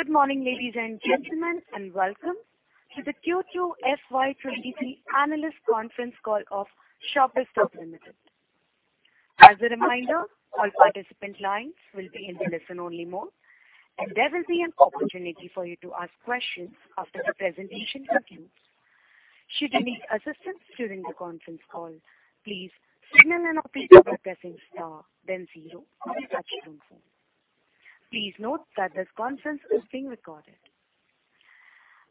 Good morning, ladies and gentlemen, and welcome to the Q2 FY 2023 analyst Conference Call of Shoppers Stop Limited. As a reminder, all participant lines will be in listen only mode, and there will be an opportunity for you to ask questions after the presentation concludes. Should you need assistance during the Conference Call, please signal an operator by pressing star then zero on your touchtone phone. Please note that this conference is being recorded.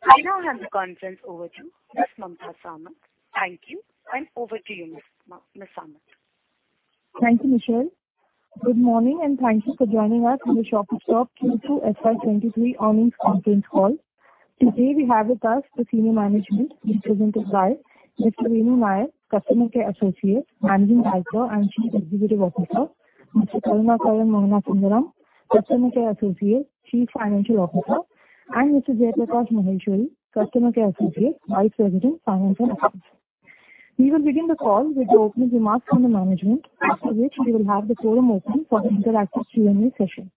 I now hand the conference over to Ms. Mamta Samat. Thank you, and over to you, Ms. Samat. Thank you, Michelle. Good morning, and thank you for joining us for the Shoppers Stop Q2 FY23 earnings Conference Call. Today, we have with us the senior management, which is led by Mr. Venu Nair, Managing Director and Chief Executive Officer. Mr. Karunakaran Mohanasundaram, Chief Financial Officer, and Mr. Jaiprakash Maheshwari, Vice President, Finance and Accounts. We will begin the call with the opening remarks from the management, after which we will have the forum open for the interactive Q&A session.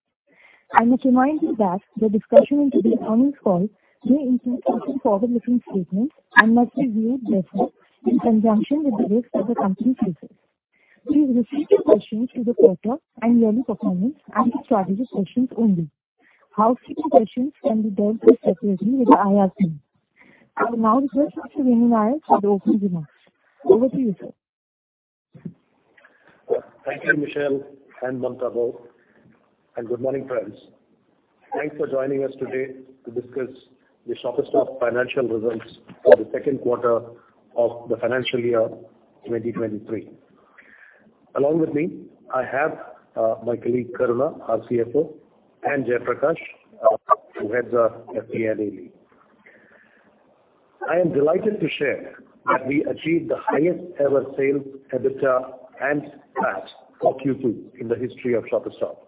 I must remind you that the discussion in today's earnings call may include certain forward-looking statements and must be viewed therefore in conjunction with the risk that the company faces. Please restrict your questions to the quarter and yearly performance and the strategic questions only. Housekeeping questions can be dealt with separately with the IR team. I will now request Mr. Venu Nair for the opening remarks. Over to you, sir. Thank you, Michelle and Mamta, and good morning, friends. Thanks for joining us today to discuss the Shoppers Stop financial results for Q2 of the financial year 2023. Along with me, I have my colleague, Karuna, our CFO, and Jaiprakash, our VP who heads our F&A. I am delighted to share that we achieved the highest-ever sales, EBITDA and PAT for Q2 in the history of Shoppers Stop.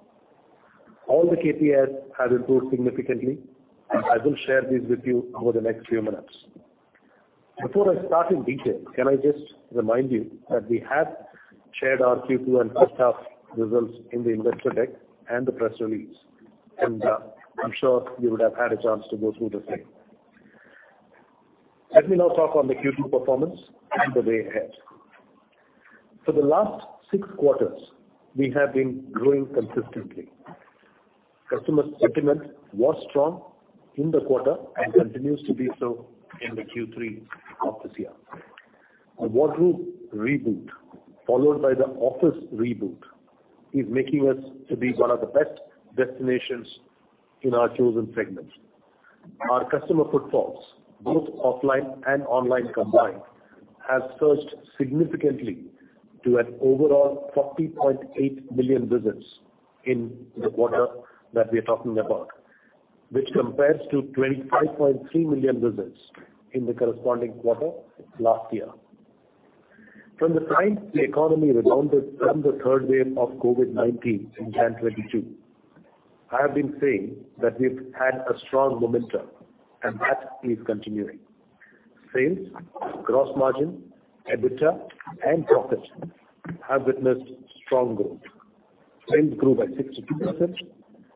All the KPIs have improved significantly. I will share these with you over the next few minutes. Before I start in detail, can I just remind you that we have shared our Q2 and first half results in the investor deck and the press release, and I'm sure you would have had a chance to go through the same. Let me now talk on the Q2 performance and the way ahead. For the last 6 quarters, we have been growing consistently. Customer sentiment was strong in the quarter and continues to be so in the Q3 of this year. Our wardrobe reboot, followed by the office reboot, is making us to be one of the best destinations in our chosen segments. Our customer footfalls, both offline and online combined, has surged significantly to an overall 40.8 million visits in the quarter that we are talking about, which compares to 25.3 million visits in the corresponding quarter last year. From the time the economy rebounded from the third wave of COVID-19 in January 2022, I have been saying that we've had a strong momentum, and that is continuing. Sales, gross margin, EBITDA and profit have witnessed strong growth. Sales grew by 62%.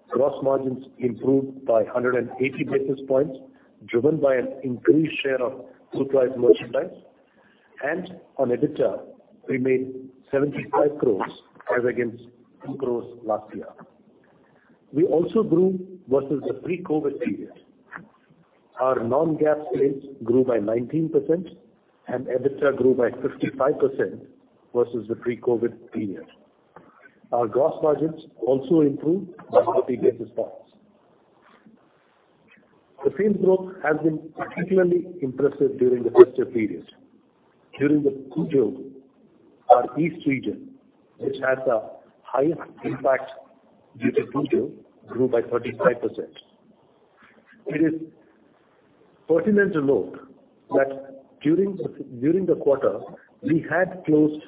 Gross margins improved by 180 basis points, driven by an increased share of full price merchandise. On EBITDA, we made 75 crores as against 2 crores last year. We also grew versus the pre-COVID period. Our non-GAAP sales grew by 19%, and EBITDA grew by 55% versus the pre-COVID period. Our gross margins also improved by 40 basis points. The same growth has been particularly impressive during the festive period. During the Q2, our East region, which has the highest impact due to Q2, grew by 45%. It is pertinent to note that during the quarter, we had closed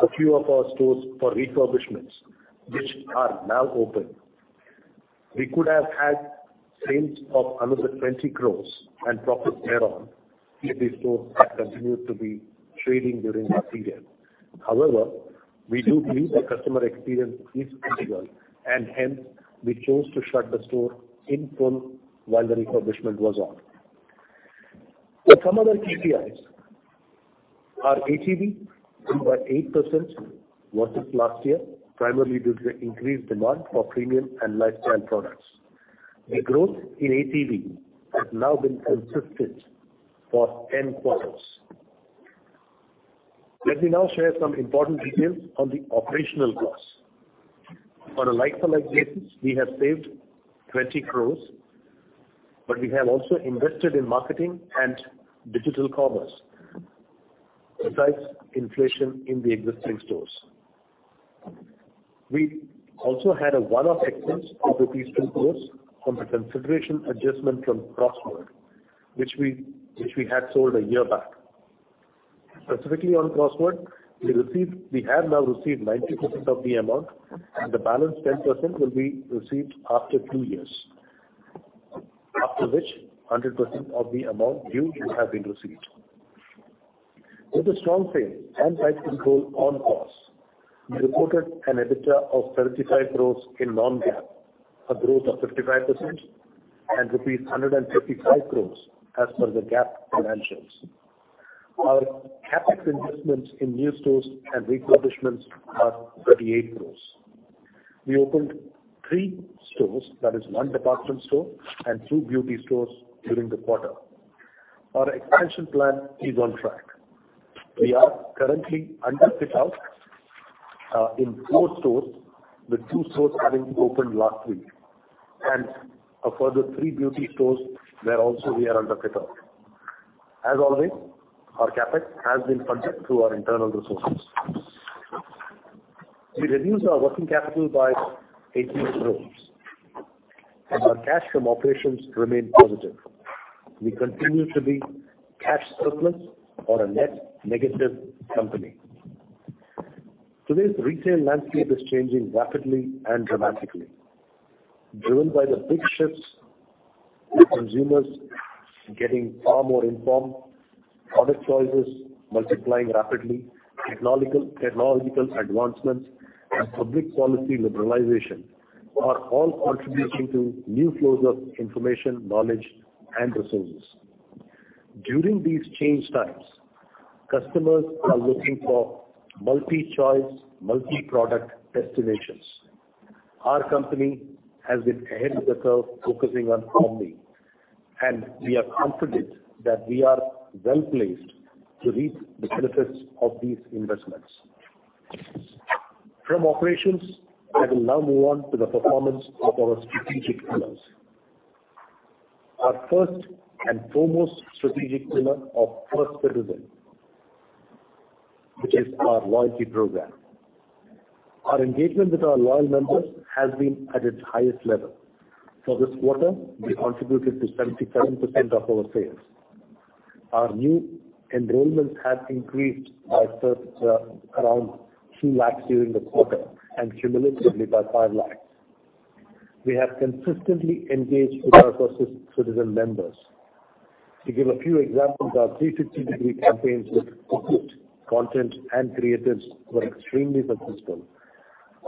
a few of our stores for refurbishments, which are now open. We could have had sales of another 20 crores and profit thereon if these stores had continued to be trading during that period. However, we do believe that customer experience is critical and hence we chose to shut the store in full while the refurbishment was on. Some other KPIs. Our ATV grew by 8% versus last year, primarily due to the increased demand for premium and lifestyle products. The growth in ATV has now been consistent for 10 quarters. Let me now share some important details on the operational costs. On a like-for-like basis, we have saved 20 crore, but we have also invested in marketing and digital commerce, besides inflation in the existing stores. We also had a one-off expense of rupees 2 crore from the consideration adjustment from Crossword, which we had sold a year back. Specifically on Crossword, we have now received 90% of the amount, and the balance 10% will be received after two years, after which 100% of the amount due will have been received. With strong sales and tight control on costs, we reported an EBITDA of 35 crore in non-GAAP, a growth of 55% and rupees 155 crore as per the GAAP financials. Our CapEx investments in new stores and repositionings are 38 crore. We opened three stores, that is one department store and two beauty stores during the quarter. Our expansion plan is on track. We are currently under fit-out in four stores, with two stores having opened last week, and a further three beauty stores where we are also under fit-out. As always, our CapEx has been funded through our internal resources. We reduced our working capital by 18 crore, and our cash from operations remained positive. We continue to be cash surplus or a net negative company. Today's retail landscape is changing rapidly and dramatically, driven by the big shifts with consumers getting far more informed, product choices multiplying rapidly, technological advancements, and public policy liberalization are all contributing to new flows of information, knowledge and resources. During these changing times, customers are looking for multi-choice, multi-product destinations. Our company has been ahead of the curve, focusing on harmony, and we are confident that we are well placed to reap the benefits of these investments. From operations, I will now move on to the performance of our strategic pillars. Our first and foremost strategic pillar, our First Citizen, which is our loyalty program. Our engagement with our loyal members has been at its highest-level. For this quarter, they contributed to 77% of our sales. Our new enrollments have increased by around 2 lakh during the quarter, and cumulatively by 5 lakh. We have consistently engaged with our First Citizen members. To give a few examples, our 360-degree campaigns with appropriate content and creatives were extremely successful.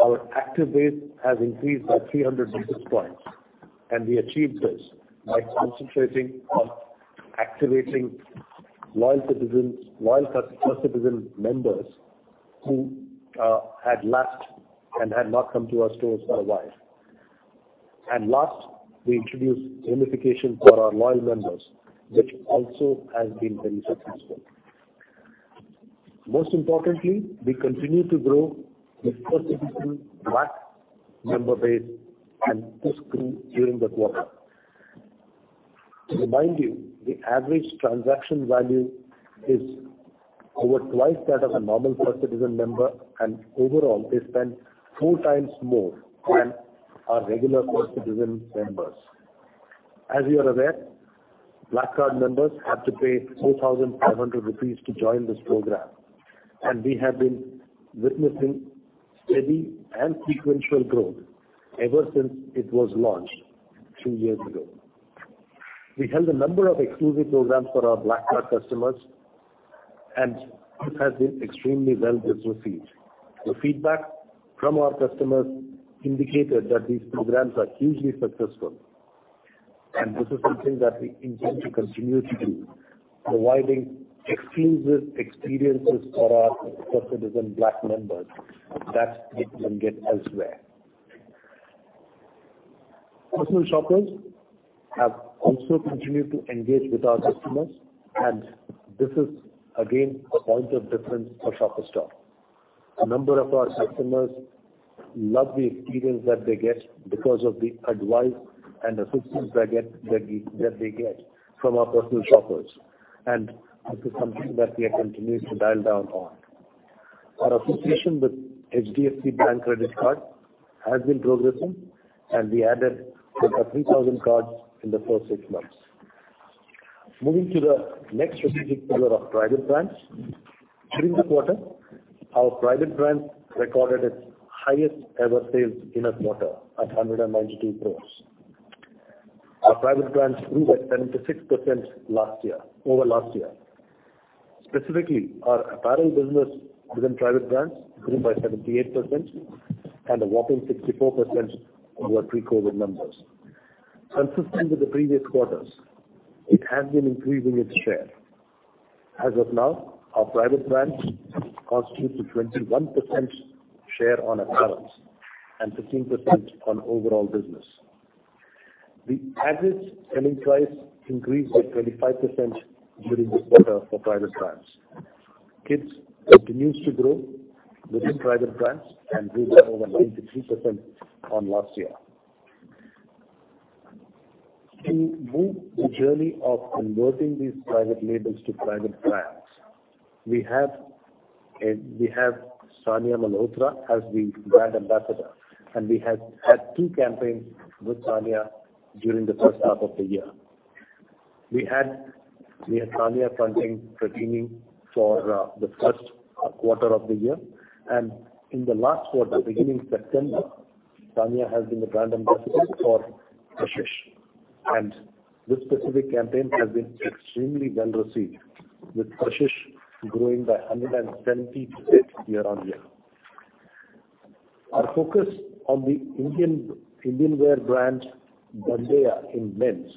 Our active base has increased by 300 basis points, and we achieved this by concentrating on activating loyal citizens, loyal First Citizen members who had lapsed and had not come to our stores for a while. Last, we introduced gamification for our loyal members, which also has been very successful. Most importantly, we continue to grow the First Citizen Black member base and this too during the quarter. To remind you, the average transaction value is over twice that of a normal First Citizen member, and overall they spend four times more than our regular First Citizen members. As you are aware, Black Card members have to pay 4,500 rupees to join this program, and we have been witnessing steady and sequential growth ever since it was launched two years ago. We held a number of exclusive programs for our Black Card customers, and this has been extremely well received. The feedback from our customers indicated that these programs are hugely successful, and this is something that we intend to continue to do, providing exclusive experiences for our First Citizen Black members that they can't get elsewhere. Personal shoppers have also continued to engage with our customers, and this is again a point of difference for Shoppers Stop. A number of our customers love the experience that they get because of the advice and assistance they get from our personal shoppers. This is something that we are continuing to dial down on. Our association with HDFC Bank credit card has been progressing, and we added over 3,000 cards in the first six months. Moving to the next strategic pillar of private brands. During the quarter, our private brands recorded its highest-ever sales in a quarter at 192 crores. Our private brands grew by 76% last year over last year. Specifically, our apparel business within private brands grew by 78% and a whopping 64% over pre-COVID numbers. Consistent with the previous quarters, it has been increasing its share. As of now, our private brands constitute 21% share on apparels and 15% on overall business. The average selling price increased by 25% during this quarter for private brands. Kids continues to grow within private brands and grew by over 93% on last year. To move the journey of converting these private labels to private brands, we have Sonam Malhotra as the brand ambassador, and we have had 2 campaigns with Sonam during the first half of the year. We had Sonam fronting Fratini for the Q1 of the year, and in the last quarter, beginning September, Sonam has been the brand ambassador for Kashish. This specific campaign has been extremely well received, with Kashish growing by 170% year-on-year. Our focus on the Indian wear brand, Bandeya, in men's,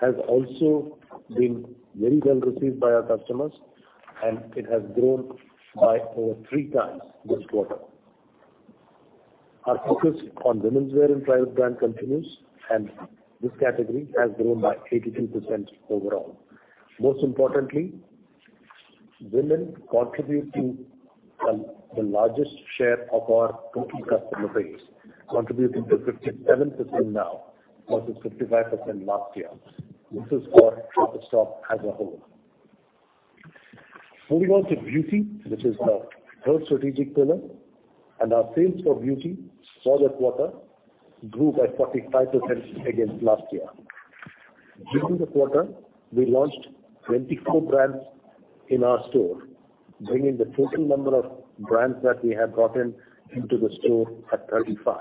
has also been very well received by our customers, and it has grown by over 3 times this quarter. Our focus on women's wear in private brand continues, and this category has grown by 82% overall. Most importantly, women contribute to the largest share of our total customer base, contributing to 57% now versus 55% last year. This is for Shoppers Stop as a whole. Moving on to beauty, which is our third strategic pillar, and our sales for beauty for the quarter grew by 45% against last year. During the quarter, we launched 24 brands in our store, bringing the total number of brands that we have brought in into the store at 35.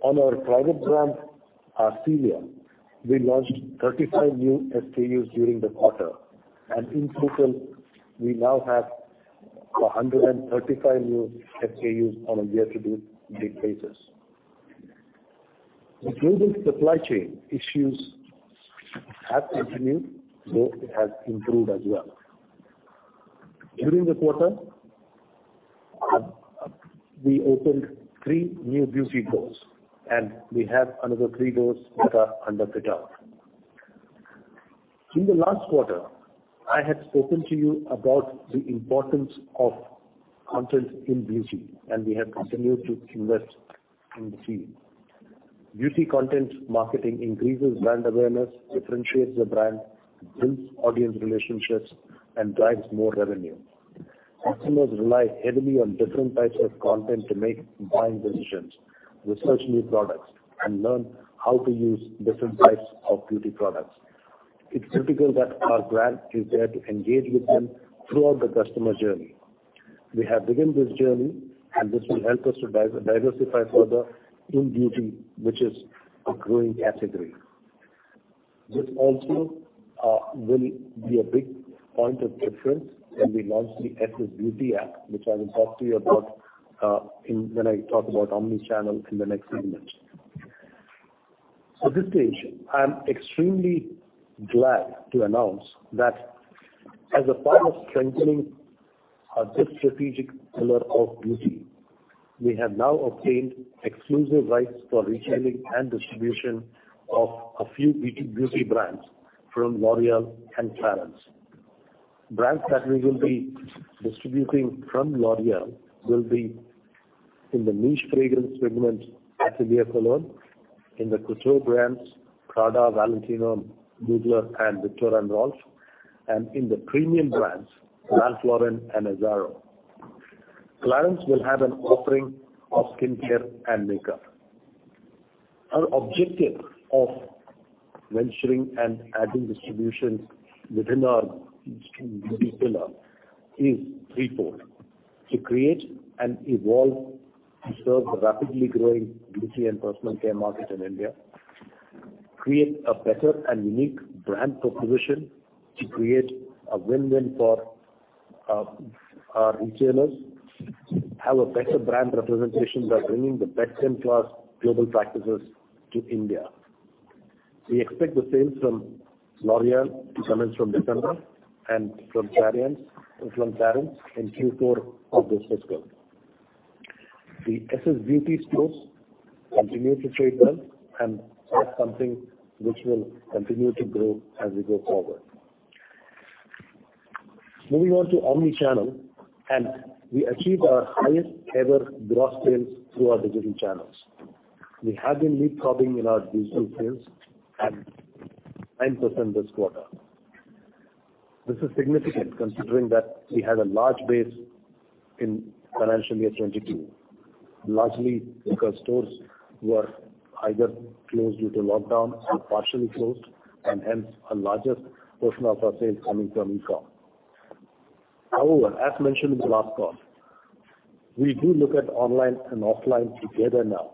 On our private brand, Arcelia, we launched 35 new SKUs during the quarter, and in total, we now have 135 new SKUs on a year-to-date basis. The global supply chain issues have continued, though it has improved as well. During the quarter, we opened 3 new beauty doors, and we have another 3 doors that are under fit-out. In the last quarter, I had spoken to you about the importance of content in beauty, and we have continued to invest in the same. Beauty content marketing increases brand awareness, differentiates the brand, builds audience relationships, and drives more revenue. Customers rely heavily on different types of content to make buying decisions, research new products, and learn how to use different types of beauty products. It's critical that our brand is there to engage with them throughout the customer journey. We have begun this journey, and this will help us to diversify further in beauty, which is a growing category. This also will be a big point of difference when we launch the SS Beauty app, which I will talk to you about when I talk about omni-channel in the next few minutes. At this stage, I'm extremely glad to announce that as a part of strengthening our third strategic pillar of beauty, we have now obtained exclusive rights for retailing and distribution of a few beauty brands from L'Oréal and Clarins. Brands that we will be distributing from L'Oréal will be in the niche fragrance segment, Atelier Cologne, in the couture brands, Prada, Valentino, Mugler, and Viktor & Rolf, and in the premium brands, Ralph Lauren and Azzaro. Clarins will have an offering of skincare and makeup. Our objective of venturing and adding distributions within our beauty pillar is threefold: to create and evolve to serve the rapidly growing beauty and personal care market in India, create a better and unique brand proposition to create a win-win for our retailers, have a better brand representation by bringing the best-in-class global practices to India. We expect the sales from L'Oréal to commence from December and from Clarins in Q4 of this fiscal. The SS Beauty stores continue to trade well and are something which will continue to grow as we go forward. Moving on to omni-channel, we achieved our highest-ever gross sales through our digital channels. We have been leapfrogging in our digital sales at 9% this quarter. This is significant considering that we had a large base in financial year 2022, largely because stores were either closed due to lockdown or partially closed, and hence a largest portion of our sales coming from e-com. However, as mentioned in the last call, we do look at online and offline together now,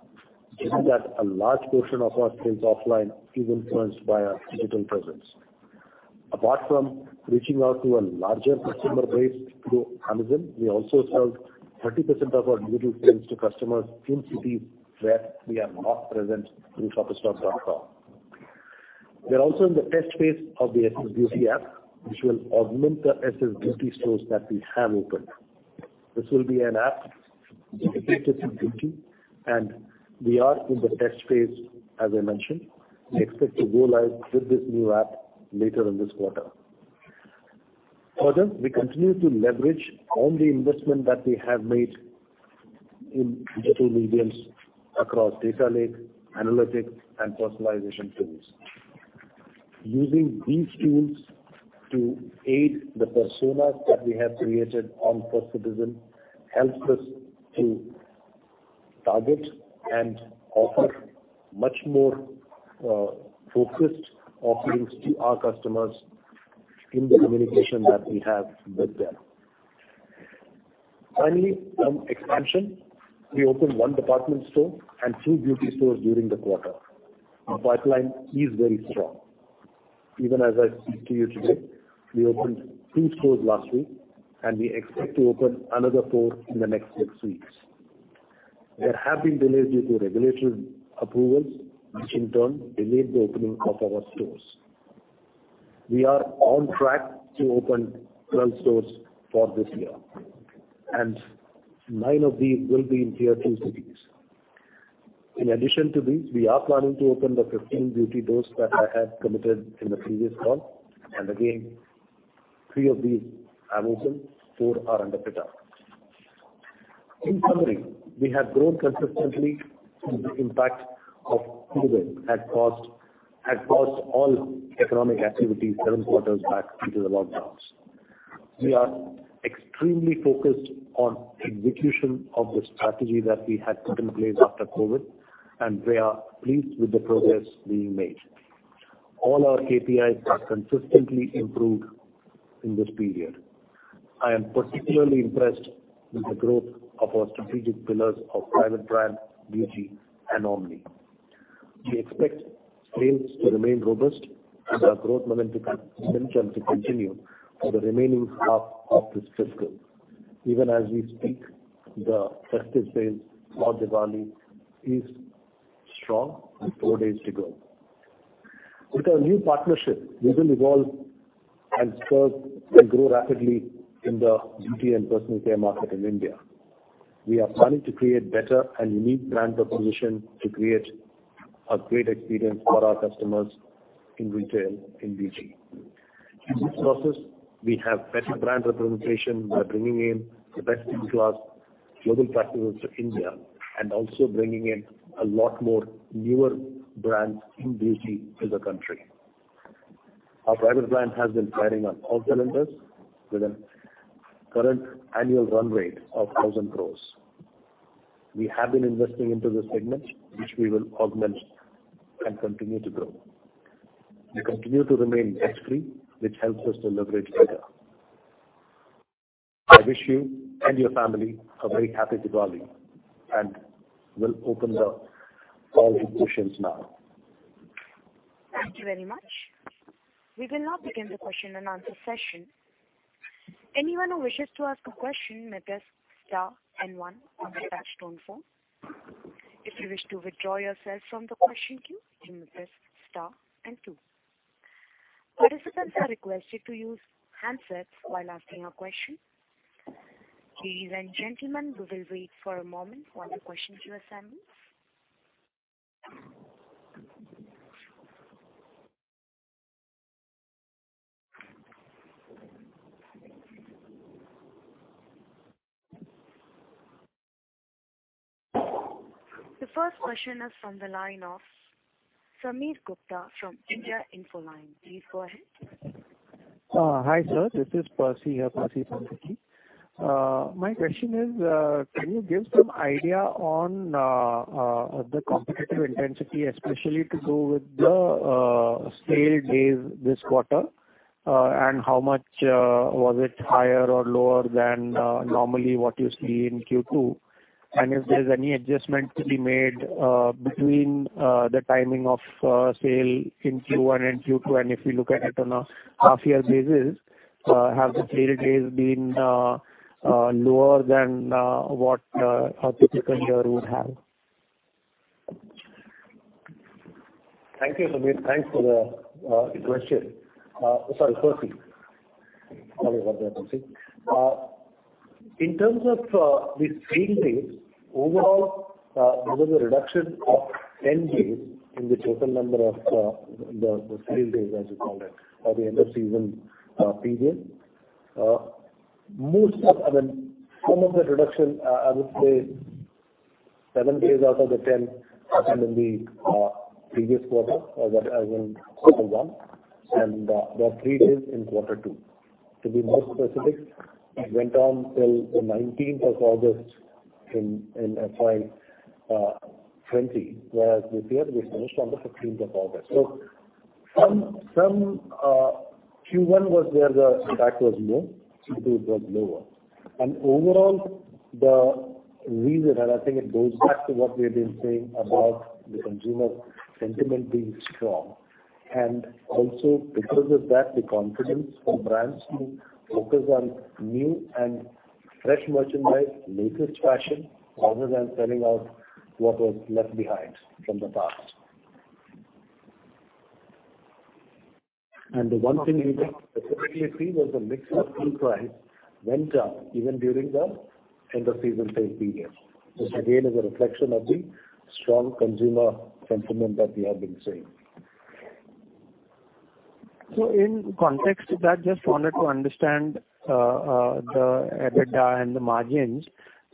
given that a large portion of our sales offline is influenced by our digital presence. Apart from reaching out to a larger customer base through Amazon, we also sold 30% of our digital sales to customers in cities where we are not present in shoppersstop.com. We are also in the test phase of the SS Beauty app, which will augment the SS Beauty stores that we have opened. This will be an app dedicated to beauty, and we are in the test phase, as I mentioned. We expect to go live with this new app later in this quarter. Further, we continue to leverage on the investment that we have made in digital mediums across data lake, analytics, and personalization tools. Using these tools to aid the personas that we have created on First Citizen helps us to target and offer much more focused offerings to our customers in the communication that we have with them. Finally, expansion. We opened one department store and two beauty stores during the quarter. Our pipeline is very strong. Even as I speak to you today, we opened two stores last week, and we expect to open another four in the next six weeks. There have been delays due to regulatory approvals, which in turn delayed the opening of our stores. We are on track to open 12 stores for this year, and nine of these will be in Tier Two cities. In addition to these, we are planning to open the 15 beauty stores that I had committed in the previous call. Again, three of these have opened, four are under fit-out. In summary, we have grown consistently through the impact of COVID-19 that caused all economic activities seven quarters back into lockdowns. We are extremely focused on execution of the strategy that we had put in place after COVID-19, and we are pleased with the progress being made. All our KPIs are consistently improved in this period. I am particularly impressed with the growth of our strategic pillars of private brand, beauty and omni. We expect sales to remain robust and our growth momentum to continue for the remaining half of this fiscal. Even as we speak, the festive sales for Diwali are strong with four days to go. With our new partnership, we will evolve and serve and grow rapidly in the beauty and personal care market in India. We are planning to create better and unique brand proposition to create a great experience for our customers in retail in beauty. In this process, we have better brand representation by bringing in the best-in-class global practices to India and also bringing in a lot more newer brands in beauty to the country. Our private brand has been firing on all cylinders with a current annual run rate of 1,000 crore. We have been investing into this segment, which we will augment and continue to grow. We continue to remain debt free, which helps us to leverage better. I wish you and your family a very happy Diwali, and we'll open the call to questions now. Thank you very much. We will now begin the question and answer session. Anyone who wishes to ask a question may press star and one on their touchtone phone. If you wish to withdraw yourself from the question queue, you may press star and two. Participants are requested to use handsets while asking a question. Ladies and gentlemen, we will wait for a moment while the question queue assembles. The first question is from the line of Percy Panthaki from India Infoline. Please go ahead. Hi, sir, this is Percy here, Percy Panthaki. My question is, can you give some idea on the competitive intensity, especially together with the sale days this quarter? How much was it higher or lower than normally what you see in Q2? If there's any adjustment to be made between the timing of sale in Q1 and Q2, and if you look at it on a half-year basis, have the sale days been lower than what a typical year would have? Thank you, Percy. Thanks for the question. Sorry, Percy. Sorry about that, Percy. In terms of the sale days, overall, there was a reduction of 10 days in the total number of the sale days, as you call it, or the end of season period. Most of I mean, some of the reduction, I would say 7 days out of the 10 happened in the previous quarter, or what I mean quarter one, and there were 3 days in quarter two. To be more specific, it went on till the nineteenth of August in FY 2020, whereas this year we finished on the fifteenth of August. From Q1 was where the impact was more, Q2 it was lower. Overall, the reason, and I think it goes back to what we have been saying about the consumer sentiment being strong, and also because of that, the confidence for brands to focus on new and fresh merchandise, latest fashion, rather than selling out what was left behind from the past. The one thing we did specifically see was the mix of full price went up even during the end of season sale period, which again is a reflection of the strong consumer sentiment that we have been seeing. In context to that, just wanted to understand the EBITDA and the margins.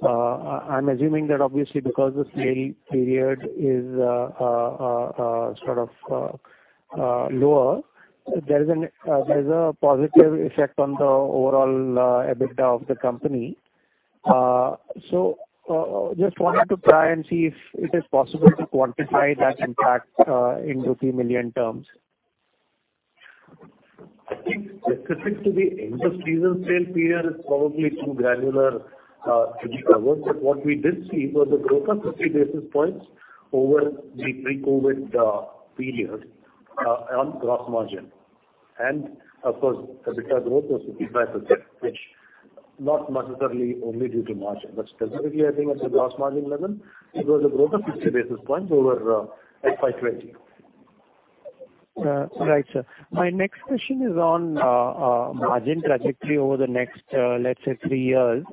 I'm assuming that obviously because the sale period is sort of lower, there's a positive effect on the overall EBITDA of the company. Just wanted to try and see if it is possible to quantify that impact in rupee million terms. I think specific to the end of season sale period is probably too granular to be covered. What we did see was a growth of 50 basis points over the pre-COVID period on gross margin. Of course, the EBITDA growth was 65%, which not necessarily only due to margin, but specifically, I think at the gross margin level, it was a growth of 50 basis points over FY 2020. Right, sir. My next question is on margin trajectory over the next, let's say three years.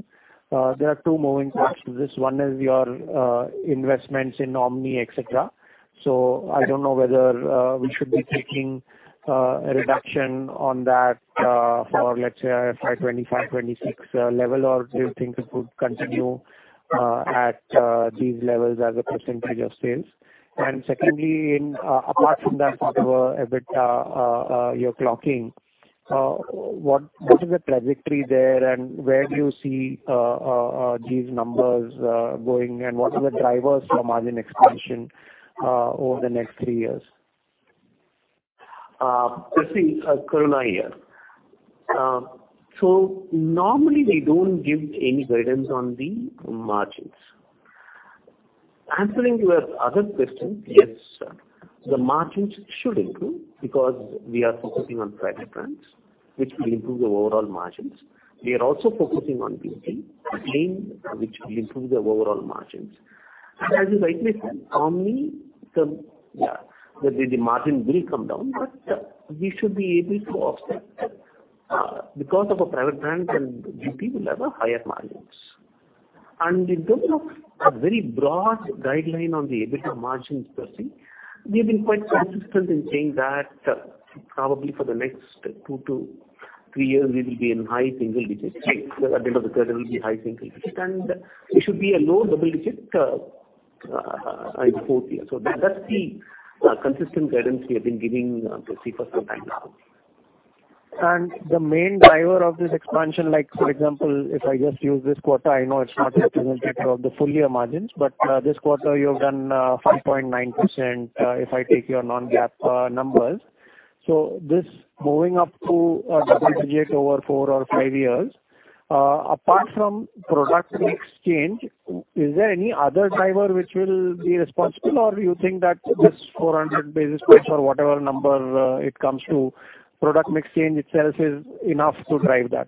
There are two moving parts to this. One is your investments in Omni, et cetera. I don't know whether we should be taking a reduction on that for let's say a FY 2025, 2026 level. Or do you think it would continue at these levels as a percentage of sales? Secondly, apart from that, whatever EBITDA you're clocking, what is the trajectory there and where do you see these numbers going? What are the drivers for margin expansion over the next three years? Percy, Karuna here. Normally we don't give any guidance on the margins. Answering your other question, yes, the margins should improve because we are focusing on private brands, which will improve the overall margins. We are also focusing on beauty, which will improve the overall margins. As you rightly said, omni, the margin will come down, but we should be able to offset that, because of our private brands and beauty will have higher margins. In terms of a very broad guideline on the EBITDA margins, Percy, we have been quite consistent in saying that, probably for the next 2-3 years we will be in high-single digits. At the end of the third, it will be high-single digits, and it should be low double digits, by fourth year. That's the consistent guidance we have been giving, Percy, for some time now. The main driver of this expansion, like for example, if I just use this quarter, I know it's not representative of the full-year margins, but this quarter you've done 5.9%, if I take your non-GAAP numbers. This moving up to a double digit over four or five years, apart from product mix change, is there any other driver which will be responsible or do you think that this 400 basis points or whatever number it comes to product mix change itself is enough to drive that?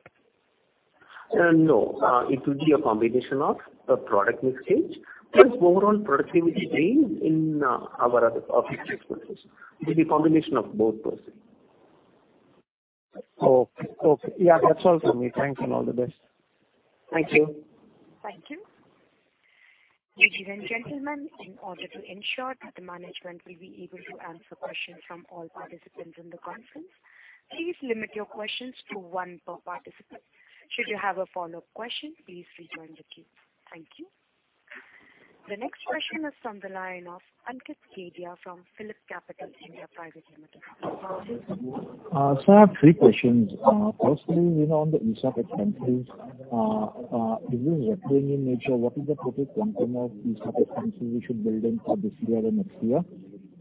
No. It will be a combination of the product mix change plus overall productivity change in our other office expenses. It will be a combination of both, Percy. Okay. Yeah, that's all for me. Thanks, and all the best. Thank you. Thank you. Ladies and gentlemen, in order to ensure that the management will be able to answer questions from all participants in the conference, please limit your questions to one per participant. Should you have a follow-up question, please rejoin the queue. Thank you. The next question is from the line of Ankit Kedia from PhillipCapital India Private Limited. I have three questions. Firstly, you know, on the ESOP expenses, is this recurring in nature? What is the total quantum of ESOP expenses we should build in for this year and next year?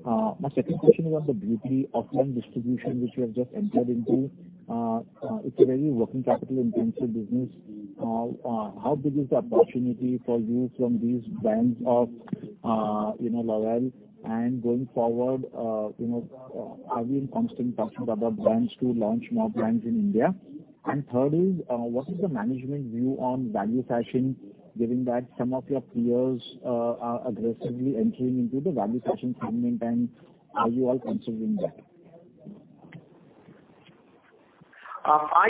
My second question was the beauty offline distribution, which you have just entered into. It's a very working capital intensive business. How big is the opportunity for you from these brands of, you know, L'Oréal and going forward, you know, are you in constant touch with other brands to launch more brands in India? Third is, what is the management view on value fashion, given that some of your peers are aggressively entering into the value fashion segment, and are you all considering that? Hi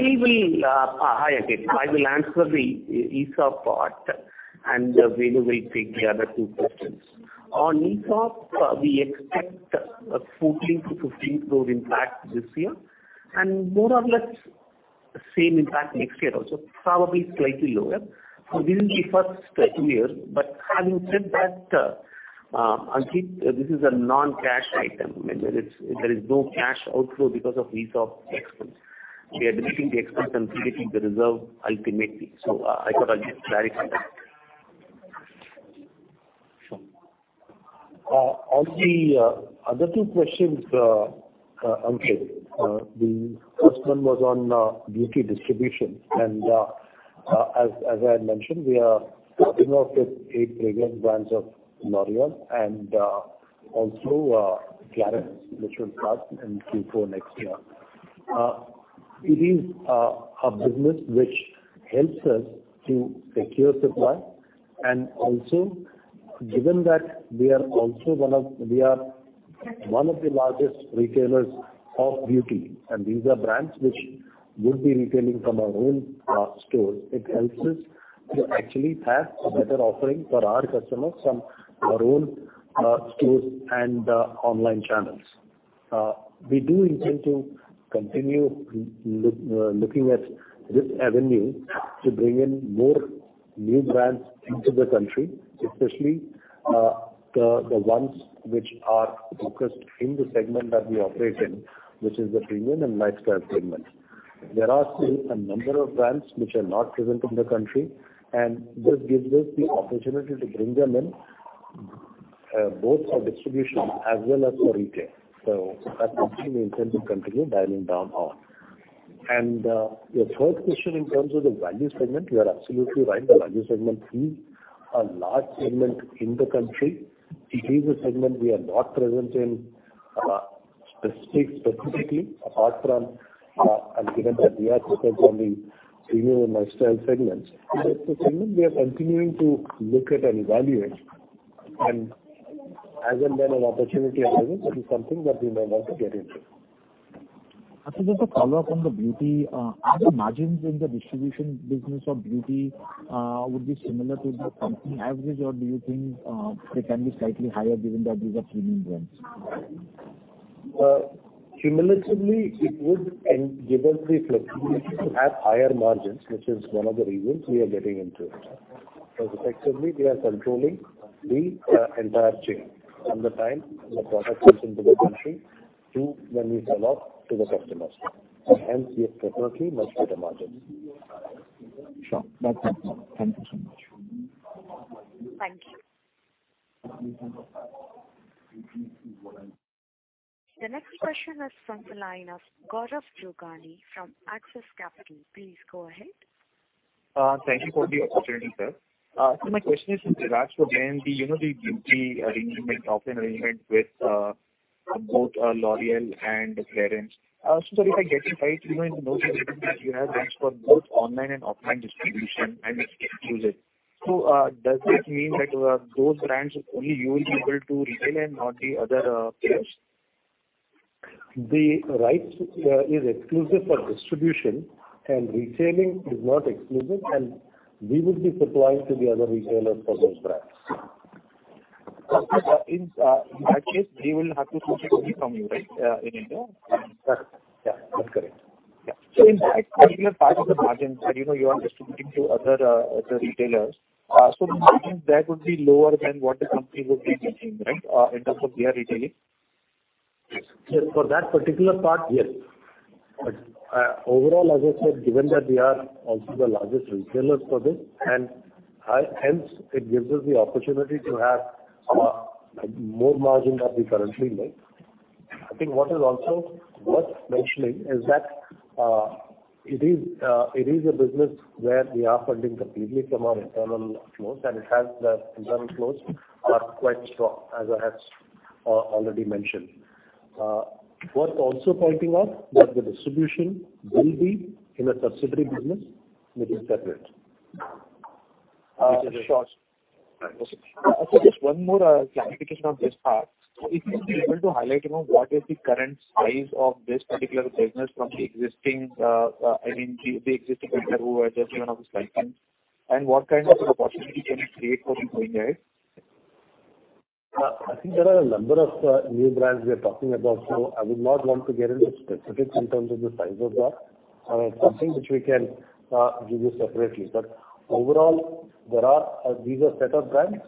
again. I will answer the ESOP part and Venu will take the other two questions. On ESOP, we expect a 14%-15% growth impact this year and more or less same impact next year also, probably slightly lower. This will be first two years. Having said that, Ankit, this is a non-cash item. There is no cash outflow because of ESOP expense. We are deleting the expense and creating the reserve ultimately. I thought I'll just clarify that. Sure. On the other two questions, Ankit, the first one was on beauty distribution. As I had mentioned, we are starting off with eight fragrance brands of L'Oréal, and also Clarins, which will start in Q4 next year. It is a business which helps us to secure supply and also given that we are one of the largest retailers of beauty, and these are brands which would be retailing from our own stores. It helps us to actually have a better offering for our customers from our own stores and online channels. We do intend to continue looking at this avenue to bring in more new brands into the country, especially the ones which are focused in the segment that we operate in, which is the premium and lifestyle segment. There are still a number of brands which are not present in the country, and this gives us the opportunity to bring them in, both for distribution as well as for retail. That's something we intend to continue doubling down on. Your third question in terms of the value segment, you are absolutely right. The value segment is a large segment in the country. It is a segment we are not present in, specifically, apart from, and given that we are focused on the premium and lifestyle segments. It is a segment we are continuing to look at and evaluate, and as and when an opportunity arises, that is something that we may want to get into. I think there's a follow from the beauty. Are the margins in the distribution business of beauty would be similar to the company average, or do you think they can be slightly higher given that these are premium brands? Cumulatively, it would end, given the flexibility, have higher margins, which is one of the reasons we are getting into it. Effectively, we are controlling the entire chain from the time the product comes into the country to when we sell off to the customers. Hence, we have preferably much better margins. Sure. That's helpful. Thank you so much. Thank you. The next question is from the line of Gaurav Jogani from Axis Capital. Please go ahead. Thank you for the opportunity, sir. My question is with regards to the beauty arrangement, offline arrangement with both L'Oréal and Clarins. If I get it right, you know, in the most recent deals you have rights for both online and offline distribution and exclusive. Does this mean that those brands only you will be able to retail and not the other players? The rights is exclusive for distribution and retailing is not exclusive, and we would be supplying to the other retailers for those brands. In that case, they will have to source it only from you, right, in India? That's, yeah, that's correct. Yeah. In that particular part of the margins that, you know, you are distributing to other retailers, so margins there would be lower than what the company would be making, right, in terms of we are retailing? Yes. For that particular part, yes. Overall, as I said, given that we are also the largest retailers for this, hence it gives us the opportunity to have more margin than we currently make. I think what is also worth mentioning is that it is a business where we are funding completely from our internal flows, and it has the internal flows are quite strong, as I have already mentioned. Worth also pointing out that the distribution will be in a subsidiary business that is separate. Sure. Okay. Just one more clarification on this part. If you'll be able to highlight, you know, what is the current size of this particular business from the existing, I mean, the existing vendor who was just one of the licensors, and what kind of an opportunity can it create for you going ahead? I think there are a number of new brands we are talking about, so I would not want to get into specifics in terms of the size of that. It's something which we can give you separately. Overall, these are set of brands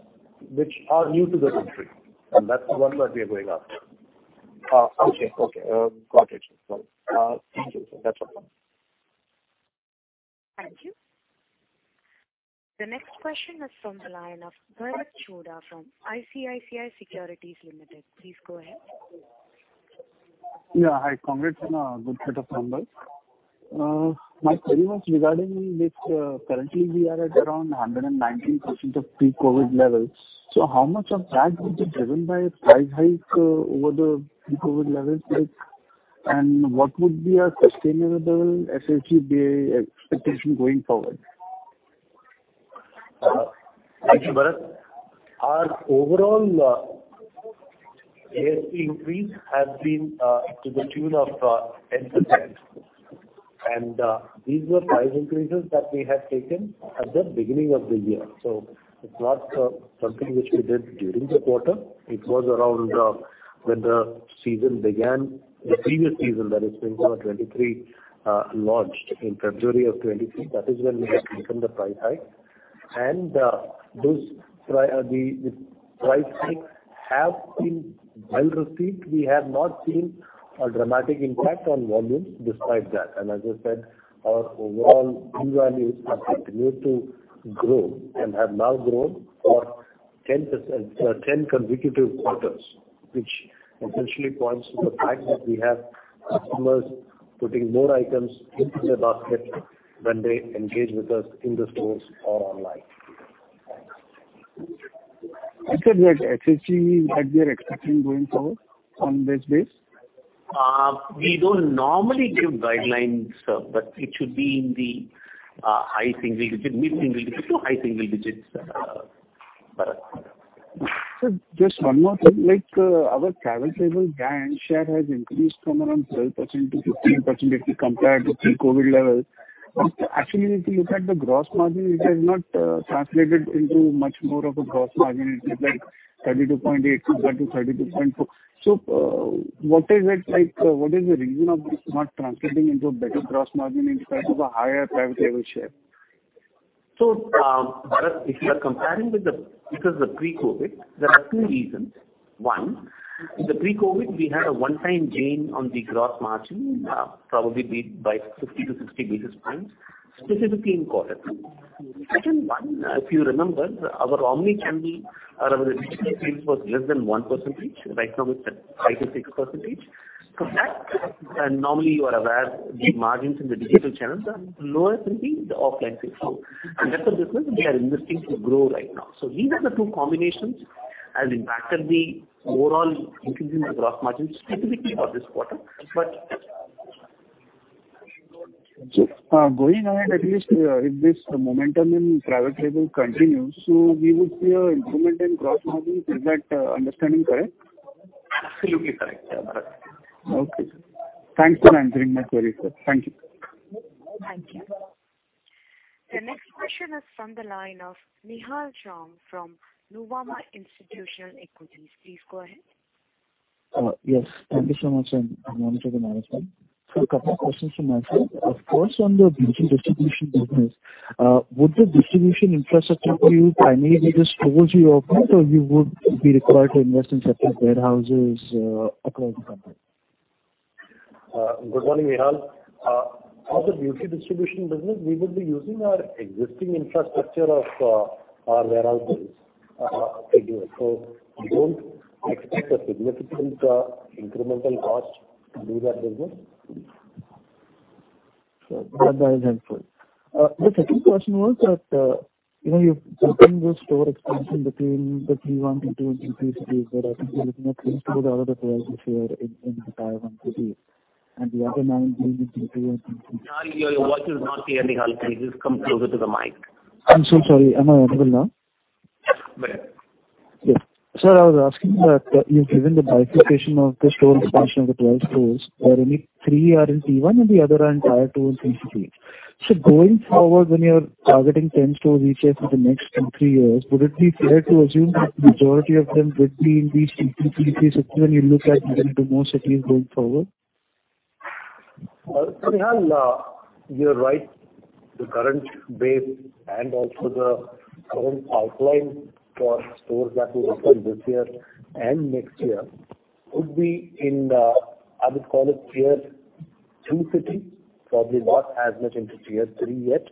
which are new to the country, and that's the one that we are going after. Okay. Got it. Thank you, sir. That's all. Thank you. The next question is from the line of Bharat Choudhary from ICICI Securities Limited. Please go ahead. Yeah. Hi. Congrats on a good set of numbers. My query was regarding this, currently we are at around 119% of pre-COVID levels. How much of that would be driven by a price hike over the pre-COVID levels? And what would be a sustainable SSG day expectation going forward? Thank you, Bharat. Our overall ASP increase has been to the tune of 10%. These were price increases that we had taken at the beginning of the year. It's not something which we did during the quarter. It was around when the season began. The previous season, that is Spring Summer '22, launched in February of 2023. That is when we had taken the price hike. Those price hikes have been well received. We have not seen a dramatic impact on volumes despite that. As I said, our overall unit values have continued to grow and have now grown by 10% for 10 consecutive quarters, which essentially points to the fact that we have customers putting more items into their basket when they engage with us in the stores or online. You said that SSG is what we are expecting going forward on this base? We don't normally give guidelines, but it should be in the high-single digits, mid-single digits to high-single digits, Bharat. Sir, just one more thing. Like, our private label brand share has increased from around 12% to 15% if we compare it with pre-COVID levels. Actually, if you look at the gross margin, it has not translated into much more of a gross margin. It's like 32.8 compared to 32.4. What is the reason of this not translating into a better gross margin in spite of a higher-private label share? Bharat, if you are comparing with the, because the pre-COVID, there are two reasons. One, in the pre-COVID, we had a one-time gain on the gross margin, probably by 50-60 basis points, specifically in quarter. Second one, if you remember, our omni channel, our digital sales was less than 1%. Right now it's at 5%-6%. That's, and normally you are aware the margins in the digital channels are lower than the offline sales. That's a business we are investing to grow right now. These are the two combinations has impacted the overall increase in the gross margins specifically for this quarter. Going ahead, at least, if this momentum in private label continues, so we would see an improvement in gross margin. Is that understanding correct? Absolutely correct, Bharat. Okay. Thanks for answering my query, sir. Thank you. Thank you. The next question is from the line of Nihal Jham from Nuvama Institutional Equities. Please go ahead. Yes. Thank you so much and good morning to the management. A couple of questions from my side. Of course, on your beauty distribution business, would the distribution infrastructure be primarily the stores you open or you would be required to invest in separate warehouses, across the country? Good morning, Nihal. For the beauty distribution business we will be using our existing infrastructure of our warehouses to do it. We don't expect a significant incremental cost to do that business. That is helpful. The second question was that, you know, you've spoken about store expansion between the tier one, tier two and tier three cities, but I think you're looking at least for the other 12 you shared in the entire 150 and the other 9 being in tier two and tier three. Nihal, your voice is not clear, Nihal. Can you just come closer to the mic? I'm so sorry. Am I audible now? Yes. Better. Yes. Sir, I was asking that you've given the bifurcation of the store expansion of the 12 stores, where only 3 are in Tier 1 and the other are in Tier 2 and Tier 3. Going forward, when you're targeting 10 stores each year for the next 2, 3 years, would it be fair to assume that majority of them would be in these Tier 2, Tier 3 cities when you look at adding to more cities going forward? Nihal, you're right. The current base and also the current outline for stores that will open this year and next year could be in, I would call it tier two city, probably not as much into tier three yet,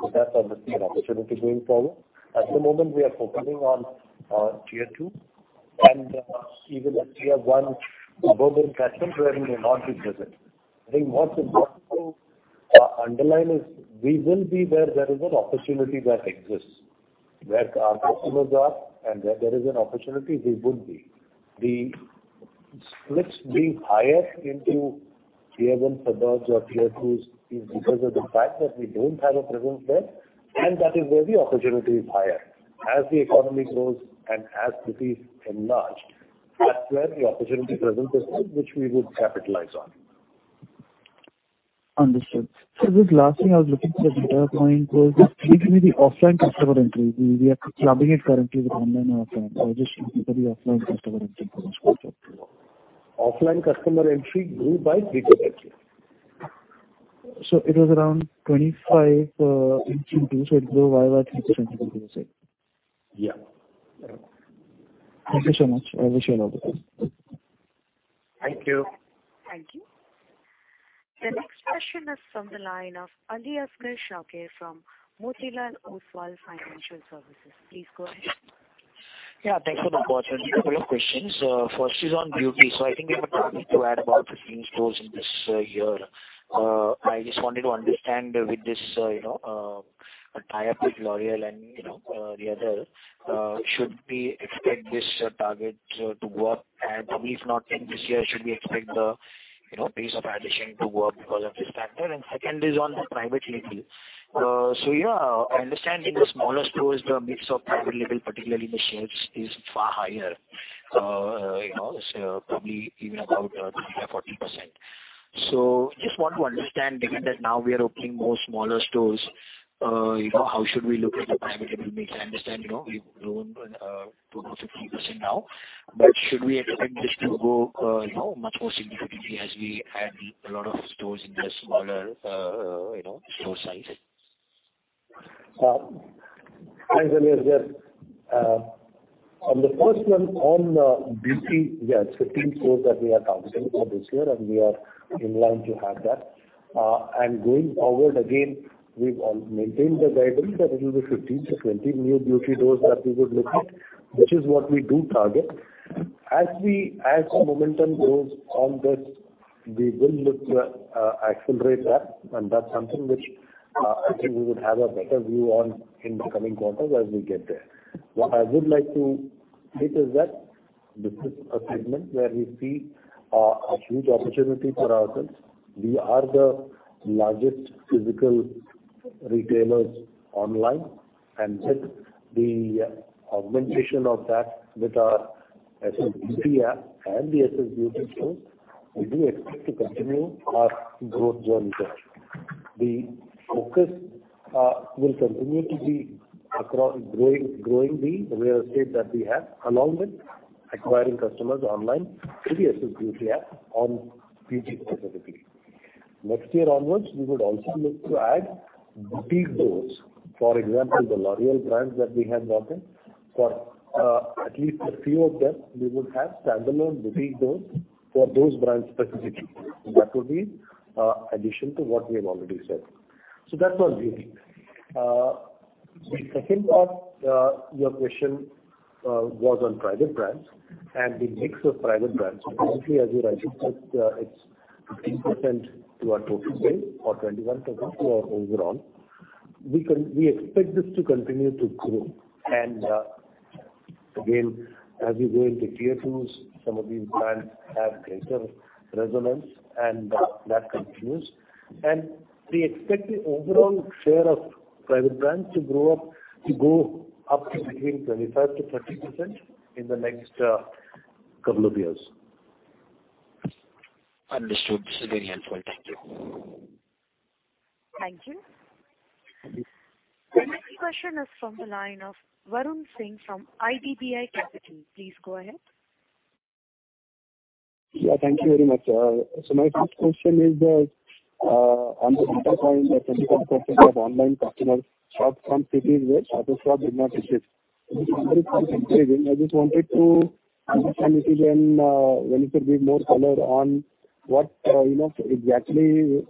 but that's obviously an opportunity going forward. At the moment we are focusing on, tier two and even at tier one suburban clusters where we may not be present. I think what's important to, underline is we will be where there is an opportunity that exists. Where our customers are and where there is an opportunity we would be. The splits being higher into tier one suburbs or tier two is because of the fact that we don't have a presence there and that is where the opportunity is higher. As the economy grows and as cities enlarge, that's where the opportunity presents itself which we would capitalize on. Understood. Sir, this last thing I was looking for a better point was just give me the offline customer entry. We are clubbing it currently with online or offline. I was just looking for the offline customer entry from this quarter. Offline customer entry grew by three times here. It was around 25 in Q2, so it grew year-over-year 3% you're saying? Yeah. Thank you so much. I wish you all the best. Thank you. Thank you. The next question is from the line of Aliasgar Shakir from Motilal Oswal Financial Services. Please go ahead. Yeah, thanks for the question. Couple of questions. First is on beauty. So I think you are targeting to add about 15 stores in this year. I just wanted to understand with this, you know, tie-up with L'Oréal and, you know, the other, should we expect this target to go up? And if not in this year, should we expect the, you know, pace of addition to go up because of this factor? And second is on the private label. So yeah, I understand in the smaller stores the mix of private label, particularly in the shoes, is far higher. You know, it's probably even about 30% or 40%. So just want to understand given that now we are opening more smaller stores, you know, how should we look at the private label mix? I understand, you know, we've grown 20%-50% now. Should we expect this to grow, you know, much more significantly as we add a lot of stores in the smaller, you know, store size? Thanks, Aliasgar Shakir. On the first one on beauty, yeah, it's 15 stores that we are targeting for this year, and we are in line to have that. Going forward again, we've maintained the guidance that it will be 15-20 new beauty stores that we would look at, which is what we do target. As momentum grows on this, we will look to accelerate that, and that's something which I think we would have a better view on in the coming quarters as we get there. What I would like to state is that this is a segment where we see a huge opportunity for ourselves. We are the largest physical retailers online, and with the augmentation of that with our SS Beauty app and the SS Beauty stores, we do expect to continue our growth journey there. The focus will continue to be across growing the real estate that we have along with acquiring customers online through the SS Beauty app on BG specifically. Next year onwards, we would also look to add boutique stores. For example, the L'Oréal brands that we have bought in, for, at least a few of them, we would have standalone boutique stores for those brands specifically. That would be addition to what we have already said. So that's one view. The second part, your question, was on private brands and the mix of private brands. Currently, as you rightly said, it's 15% to our total sales or 21% to our overall. We expect this to continue to grow. Again, as we go into tier twos, some of these brands have greater resonance, and that continues. We expect the overall share of private brands to grow up, to go up to between 25%-30% in the next couple of years. Understood. This is very helpful. Thank you. Thank you. Thank you. The next question is from the line of Varun Singh from IDBI Capital. Please go ahead. Yeah, thank you very much. My first question is on the data point that 20% of online customers shop from cities where Shoppers Stop did not exist. I just wanted to understand if you could give more color on what, you know, exactly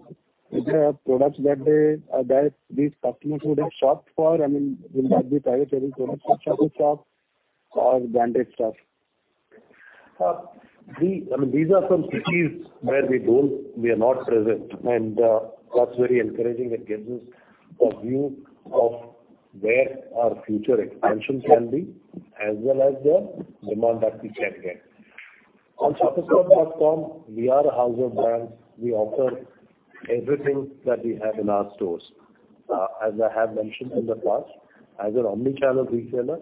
are the products that these customers would have shopped for? I mean, will that be private label products from Shoppers Stop or branded stuff? I mean, these are some cities where we are not present, and that's very encouraging. It gives us a view of where our future expansions can be, as well as the demand that we can get. On shoppersstop.com, we are a house of brands. We offer everything that we have in our stores. As I have mentioned in the past, as an omni-channel retailer,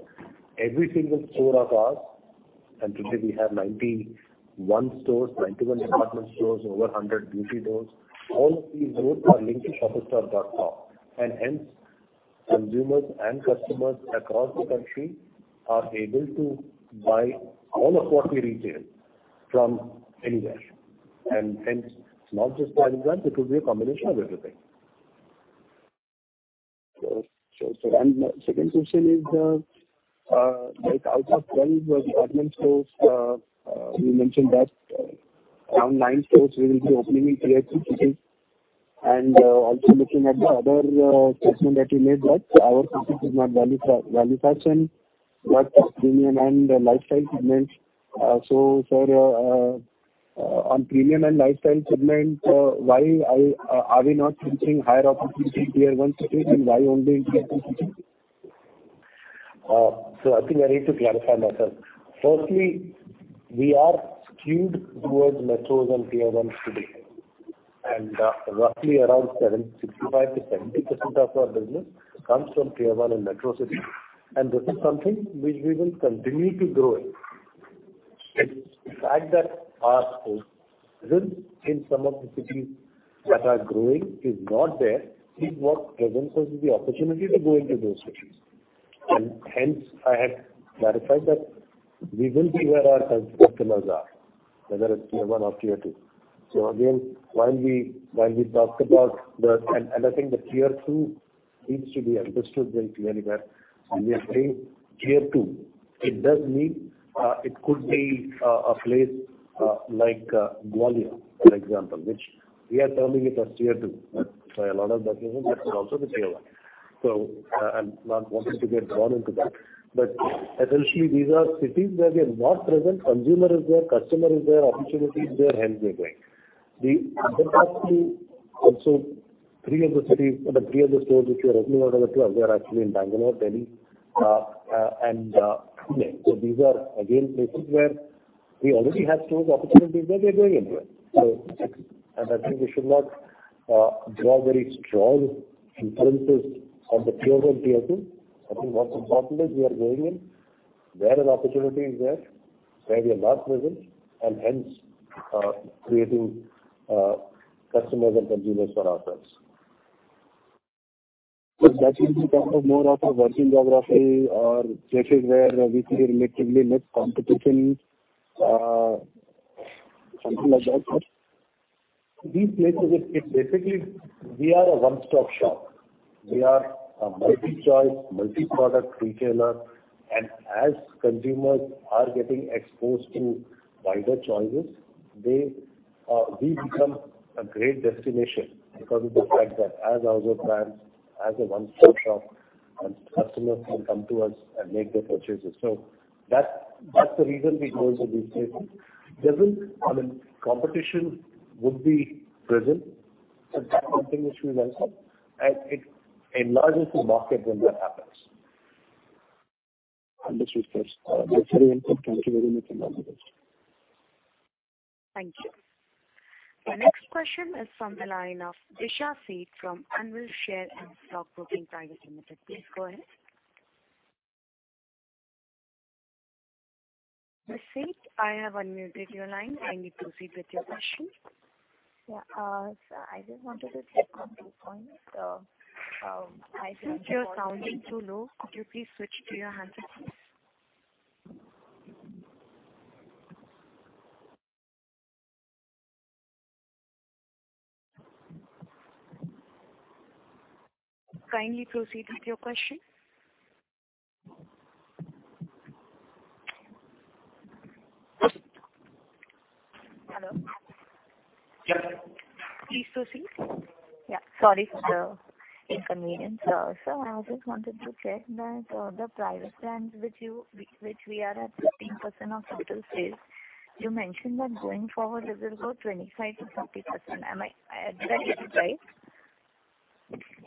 every single store of ours, and today we have 91 stores, 91 department stores, over 100 beauty stores, all of these stores are linked to shoppersstop.com. Hence, consumers and customers across the country are able to buy all of what we retail from anywhere. Hence, it's not just private brands, it will be a combination of everything. Sure. Second question is, like out of 12 department stores, you mentioned that around 9 stores will be opening in tier 2 cities and, also looking at the other statement that you made that our focus is not value fashion, but premium and lifestyle segments. So sir, on premium and lifestyle segments, why are we not seeing higher opportunity in tier 1 cities and why only tier 2 cities? I think I need to clarify myself. First, we are skewed towards metros and Tier 1s today, and roughly around 65%-70% of our business comes from Tier 1 and metro cities, and this is something which we will continue to grow in. The fact that our store isn't in some of the cities that are growing is not there is what presents us with the opportunity to go into those cities. Hence, I had clarified that we will be where our customers are, whether it's Tier 1 or Tier 2. Again, while we talked about the I think the tier two needs to be understood very clearly that when we are saying tier two, it does mean, it could be, a place, like, Gwalior, for example, which we are terming it as tier two, but by a lot of definitions, that could also be tier one. I'm not wanting to get drawn into that. But essentially these are cities where we are not present, consumer is there, customer is there, opportunity is there, hence we're going. The other part too also 3 of the cities or the 3 of the stores which we are opening out of the 12, they are actually in Bangalore, Delhi, and Pune. These are again places where we already have stores, opportunities where we are going in there. I think we should not draw very strong inferences on the tier one, tier two. I think what's important is we are going in where an opportunity is there, where we are not present, and hence, creating customers and consumers for ourselves. That will be kind of more of a virgin geography or places where we see relatively less competition, something like that? These places, it's basically we are a one-stop shop. We are a multi-choice, multi-product retailer, and as consumers are getting exposed to wider choices, we become a great destination because of the fact that as house of brands, as a one-stop shop, and customers can come to us and make their purchases. That's the reason we go into these places. It doesn't. I mean, competition would be present, and that's something which we welcome, and it enlarges the market when that happens. Understood, sir. That's very helpful. Thank you very much. All the best. Thank you. The next question is from the line of Disha Sheth from Anvil Share and Stock Broking Private Limited. Please go ahead. Ms. Sheth, I have unmuted your line. Kindly proceed with your question. Yeah. I just wanted to check on two points. Since you're sounding so low, could you please switch to your handset? Kindly proceed with your question. Hello? Yes. Please proceed. Yeah. Sorry for the inconvenience. Sir, I just wanted to check that the private brands which we are at 15% of total sales, you mentioned that going forward it will go 25%-30%. Is that right?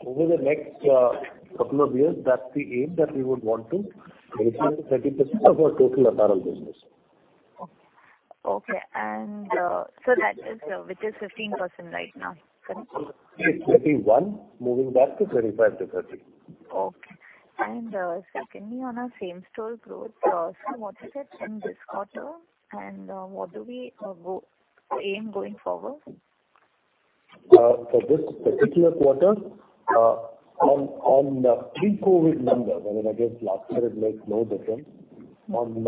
Over the next couple of years, that's the aim that we would want to make it 30% of our total apparel business. Okay. That is, which is 15% right now, correct? It's 31%, moving that to 35%-30%. Okay. Secondly, on our same-store growth, so what is it in this quarter and what do we aim going forward? For this particular quarter, on pre-COVID numbers, I mean, I guess last year it makes no difference. On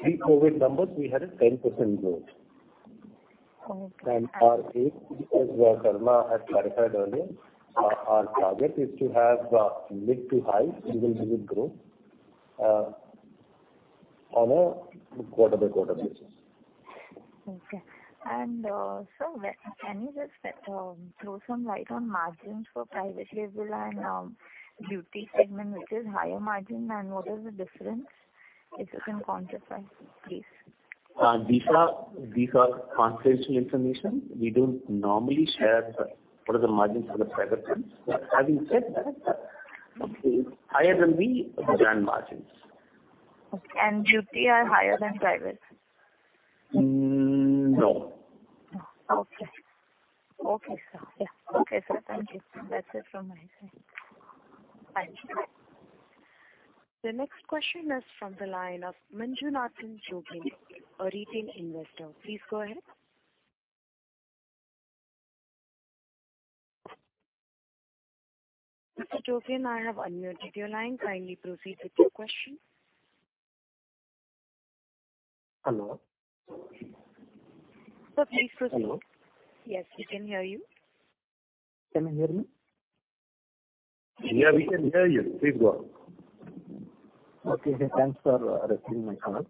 pre-COVID numbers we had a 10% growth. Okay. Our aim, as Sharma has clarified earlier, our target is to have mid- to-high single-digit growth on a quarter-by-quarter basis. Okay. Sir, can you just throw some light on margins for private label and beauty segment, which is higher-margin, and what is the difference, if you can quantify, please? These are confidential information. We don't normally share what are the margins for the private brands. Having said that, it's higher than the brand margins. Okay. Beauty are higher than private? No. Okay. Okay, sir. Yeah. Okay, sir. Thank you. That's it from my side. Thank you. The next question is from the line of Manjunath Anjogin, a retail investor. Please go ahead. Mr. Anjogin, I have unmuted your line. Kindly proceed with your question. Hello? Sir, please proceed. Hello? Yes, we can hear you. Can you hear me? Yeah, we can hear you. Please go on. Okay. Thanks for receiving my call.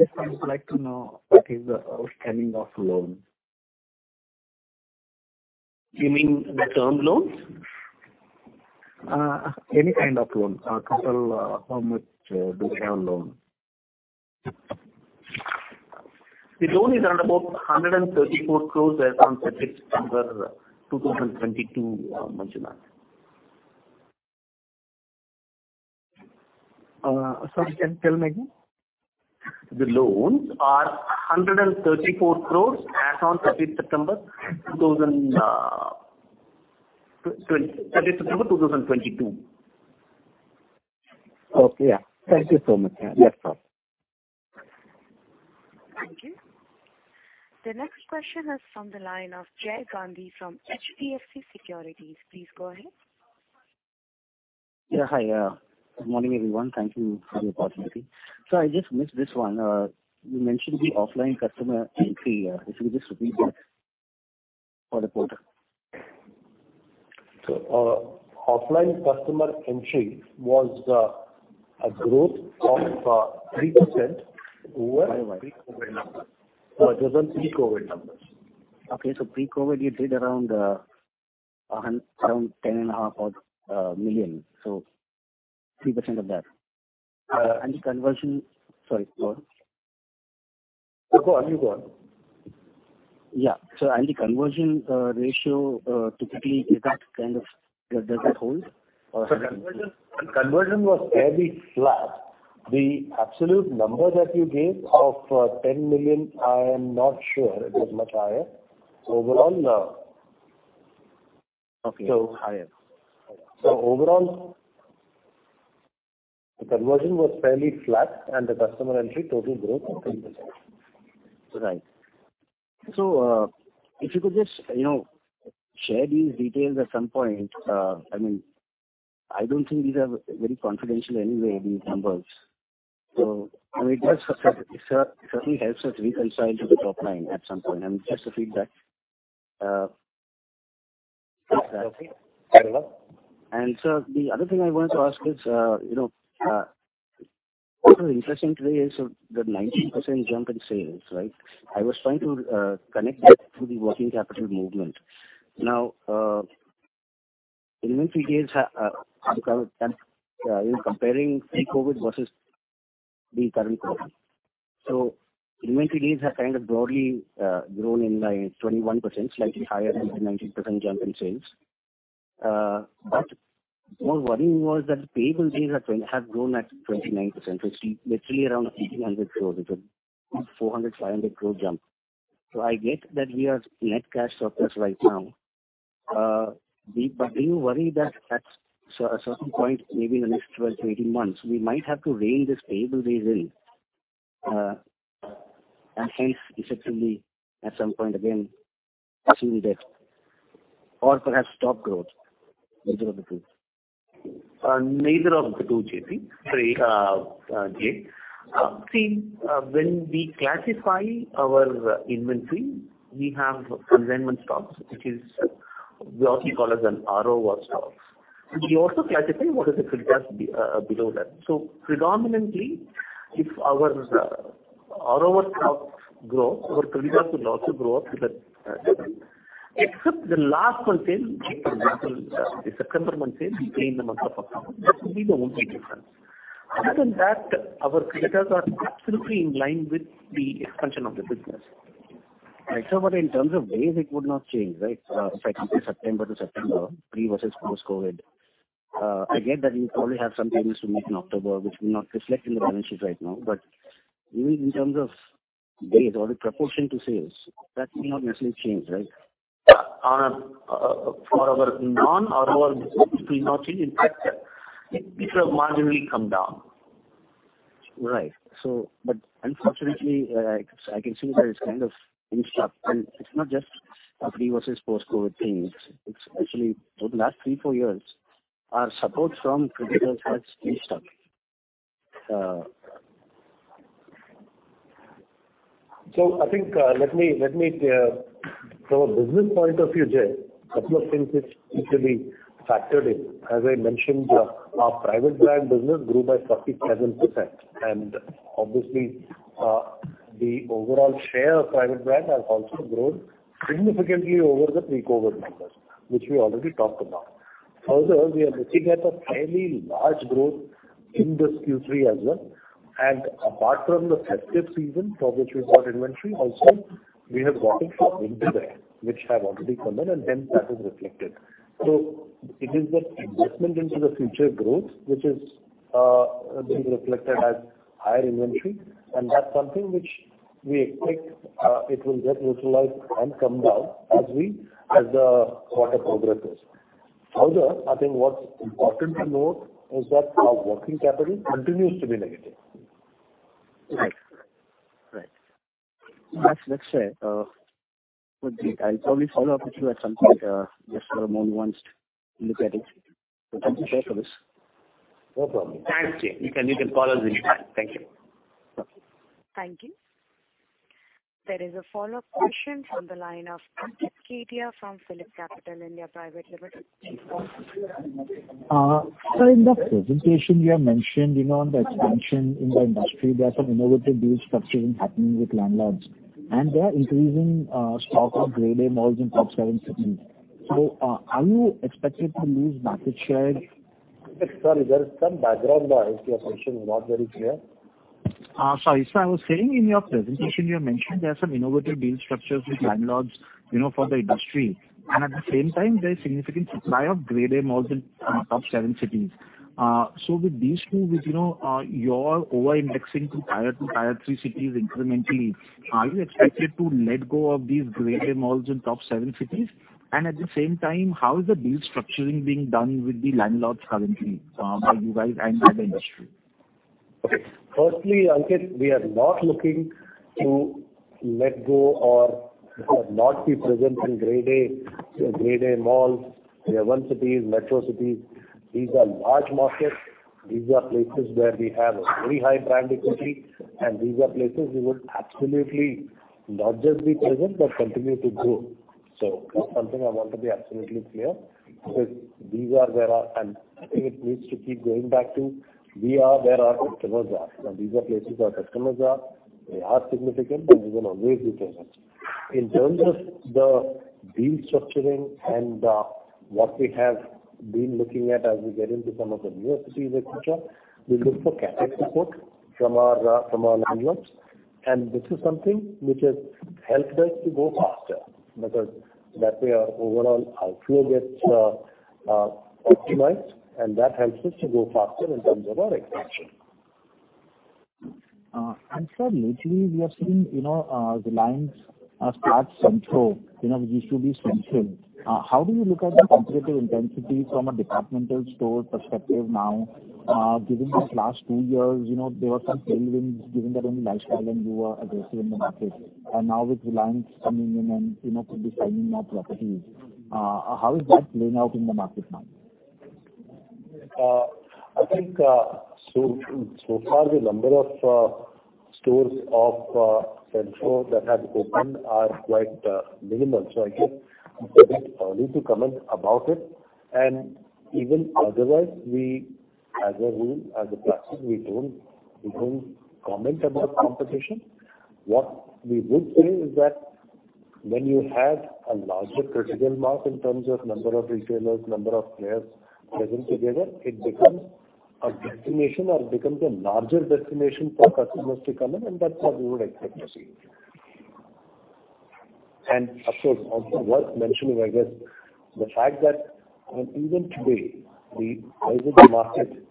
Just wanted to like to know what is the outstanding of loans? You mean the term loans? Any kind of loan. Total, how much do you have loan? The loan is around about 134 crore as on September 2022, Manjunath. Sorry, can you tell me again? The loans are 134 crores as on thirtieth September 2022. Okay. Yeah. Thank you so much. Yes, sir. Thank you. The next question is from the line of Jay Gandhi from HDFC Securities. Please go ahead. Yeah, hi. Good morning, everyone. Thank you for the opportunity. I just missed this one. You mentioned the offline customer entry. If you could just repeat that for the quarter. Offline customer entry was a growth of 3% over pre-COVID numbers. Those are pre-COVID numbers. Okay. Pre-COVID you did around 10.5 million. Three percent of that. And the conversion. Sorry, go on. No, go on. You go on. Yeah. The conversion ratio typically is that kind of. Does it hold? Or Conversion was fairly flat. The absolute number that you gave of 10 million, I am not sure. It was much higher. Overall, Okay. Higher. Overall the conversion was fairly flat and the customer entry total growth was 10%. Right. If you could just, you know, share these details at some point. I mean, I don't think these are very confidential anyway, these numbers. I mean, it does, sir, certainly help us reconcile to the top-line at some point, and just a feedback, with that. Okay. Fair enough. Sir, the other thing I wanted to ask is, you know, what was interesting today is the 19% jump in sales, right? I was trying to connect that to the working capital movement. Now, inventory days, comparing pre-COVID versus the current quarter. Inventory days have kind of broadly grown in by 21%, slightly higher than the 19% jump in sales. More worrying was that the payable days have grown at 29%. It's literally around 1,800 crores. It's a 400 crore-500 crore jump. I get that we are net cash surplus right now. Do you worry that at a certain point, maybe in the next 12-18 months, we might have to rein in payables days, and hence effectively at some point again assume that or top-line growth, which of the two? Neither of the two, JP. Sorry, Jay. See, when we classify our inventory, we have consignment stocks, which is what we call as an RO stock. We also classify the creditors below that. Predominantly, if our RO stocks grow, our creditors will also grow up to that level. Except the last month sales, for example, the September month sales we pay in the month of October. That will be the only difference. Other than that, our creditors are absolutely in line with the expansion of the business. Right. In terms of days, it would not change, right? If I compare September to September, pre versus post-COVID. I get that you probably have some payments to make in October, which will not reflect in the financials right now, but even in terms of days or the proportion to sales, that may not necessarily change, right? Yeah. For our non-RO business, it will not change. In fact, it will marginally come down. Right. Unfortunately, I can see that it's kind of been stuck. It's not just pre- versus post-COVID-19 thing. It's actually over the last 3-4 years, our support from creditors has been stuck. From a business point of view, Jay, a couple of things which need to be factored in. As I mentioned, our private label business grew by 37%. Obviously, the overall share of private label has also grown significantly over the pre-COVID numbers, which we already talked about. Further, we are looking at a fairly large growth in this Q3 as well. Apart from the festive season for which we bought inventory, also we have bought it for winter wear, which have already come in and then that is reflected. It is that investment into the future growth, which is being reflected as higher inventory, and that's something which we expect it will get neutralized and come down as the quarter progresses. Further, I think what's important to note is that our working capital continues to be negative. Right. That's fair. Good. I'll probably follow up with you at some point, just for a more nuanced look at it. Thank you for this. No problem. Thanks, Jay. You can call us anytime. Thank you. Okay. Thank you. There is a follow-up question from the line of Ankit Kedia from PhillipCapital India Private Limited. In the presentation you have mentioned, you know, on the expansion in the industry, there are some innovative deal structuring happening with landlords, and they are increasing stock of Grade A malls in top seven cities. Are you expected to lose market share? Sorry, there is some background noise. Your question is not very clear. Sorry. I was saying in your presentation you mentioned there are some innovative deal structures with landlords, you know, for the industry and at the same time there is significant supply of Grade A malls in top seven cities. With these two, you know, your over-indexing to Tier 2, Tier 3 cities incrementally, are you expected to let go of these Grade A malls in top seven cities? At the same time, how is the deal structuring being done with the landlords currently by you guys and the industry? Okay. Firstly, Ankit, we are not looking to let go or not be present in Grade A malls, Tier 1 cities, metro cities. These are large markets. These are places where we have very high-brand equity, and these are places we would absolutely not just be present, but continue to grow. That's something I want to be absolutely clear. I think it needs to keep going back to we are where our customers are. Now, these are places our customers are, they are significant, and we will always be present. In terms of the deal structuring and what we have been looking at as we get into some of the newer cities, et cetera, we look for CapEx support from our from our landlords, and this is something which has helped us to go faster. Because that way our overall outflow gets optimized and that helps us to go faster in terms of our expansion. Sir, lately we have seen, you know, Reliance start Centro, you know, which used to be Central. How do you look at the competitive intensity from a department store perspective now? Given these last two years, you know, there were some tailwinds given that only Lifestyle and you were aggressive in the market. Now with Reliance coming in and, you know, could be signing more properties, how is that playing out in the market now? I think so far the number of stores of Centro that have opened are quite minimal. I think it's a bit early to comment about it. Even otherwise, we as a rule, as a practice, we don't comment about competition. What we would say is that when you have a larger critical mass in terms of number of retailers, number of players present together, it becomes a destination or becomes a larger destination for customers to come in, and that's what we would expect to see. Of course, also worth mentioning, I guess, the fact that even today the unorganized market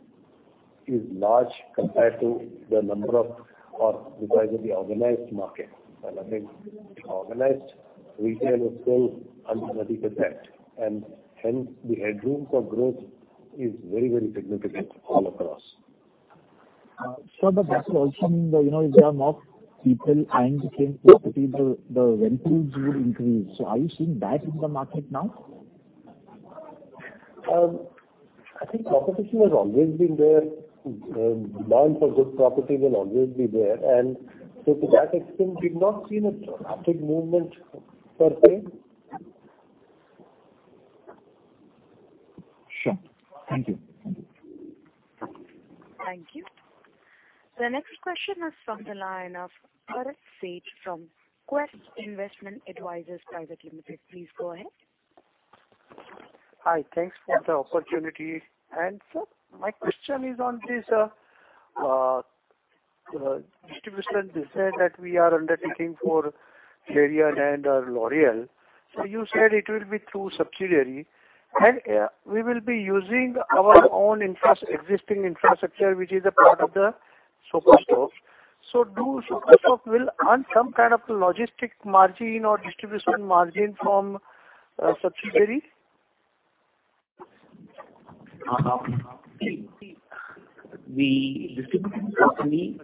is large compared to the size of the organized market. I think organized retail is still under 30%, and hence the headroom for growth is very significant all across. That will also mean that, you know, if there are more people eyeing the same property, the rentals will increase. Are you seeing that in the market now? I think competition has always been there. Demand for good property will always be there. To that extent, we've not seen a drastic movement per se. Sure. Thank you. Thank you. The next question is from the line of Parag Sheth from Quest Investment Advisors Private Limited. Please go ahead. Hi. Thanks for the opportunity. Sir, my question is on this distribution design that we are undertaking for Clarins and L'Oréal. You said it will be through subsidiary, and we will be using our own existing infrastructure, which is a part of the Shoppers Stop. Do Shoppers Stop will earn some kind of logistic margin or distribution margin from subsidiary? The distribution company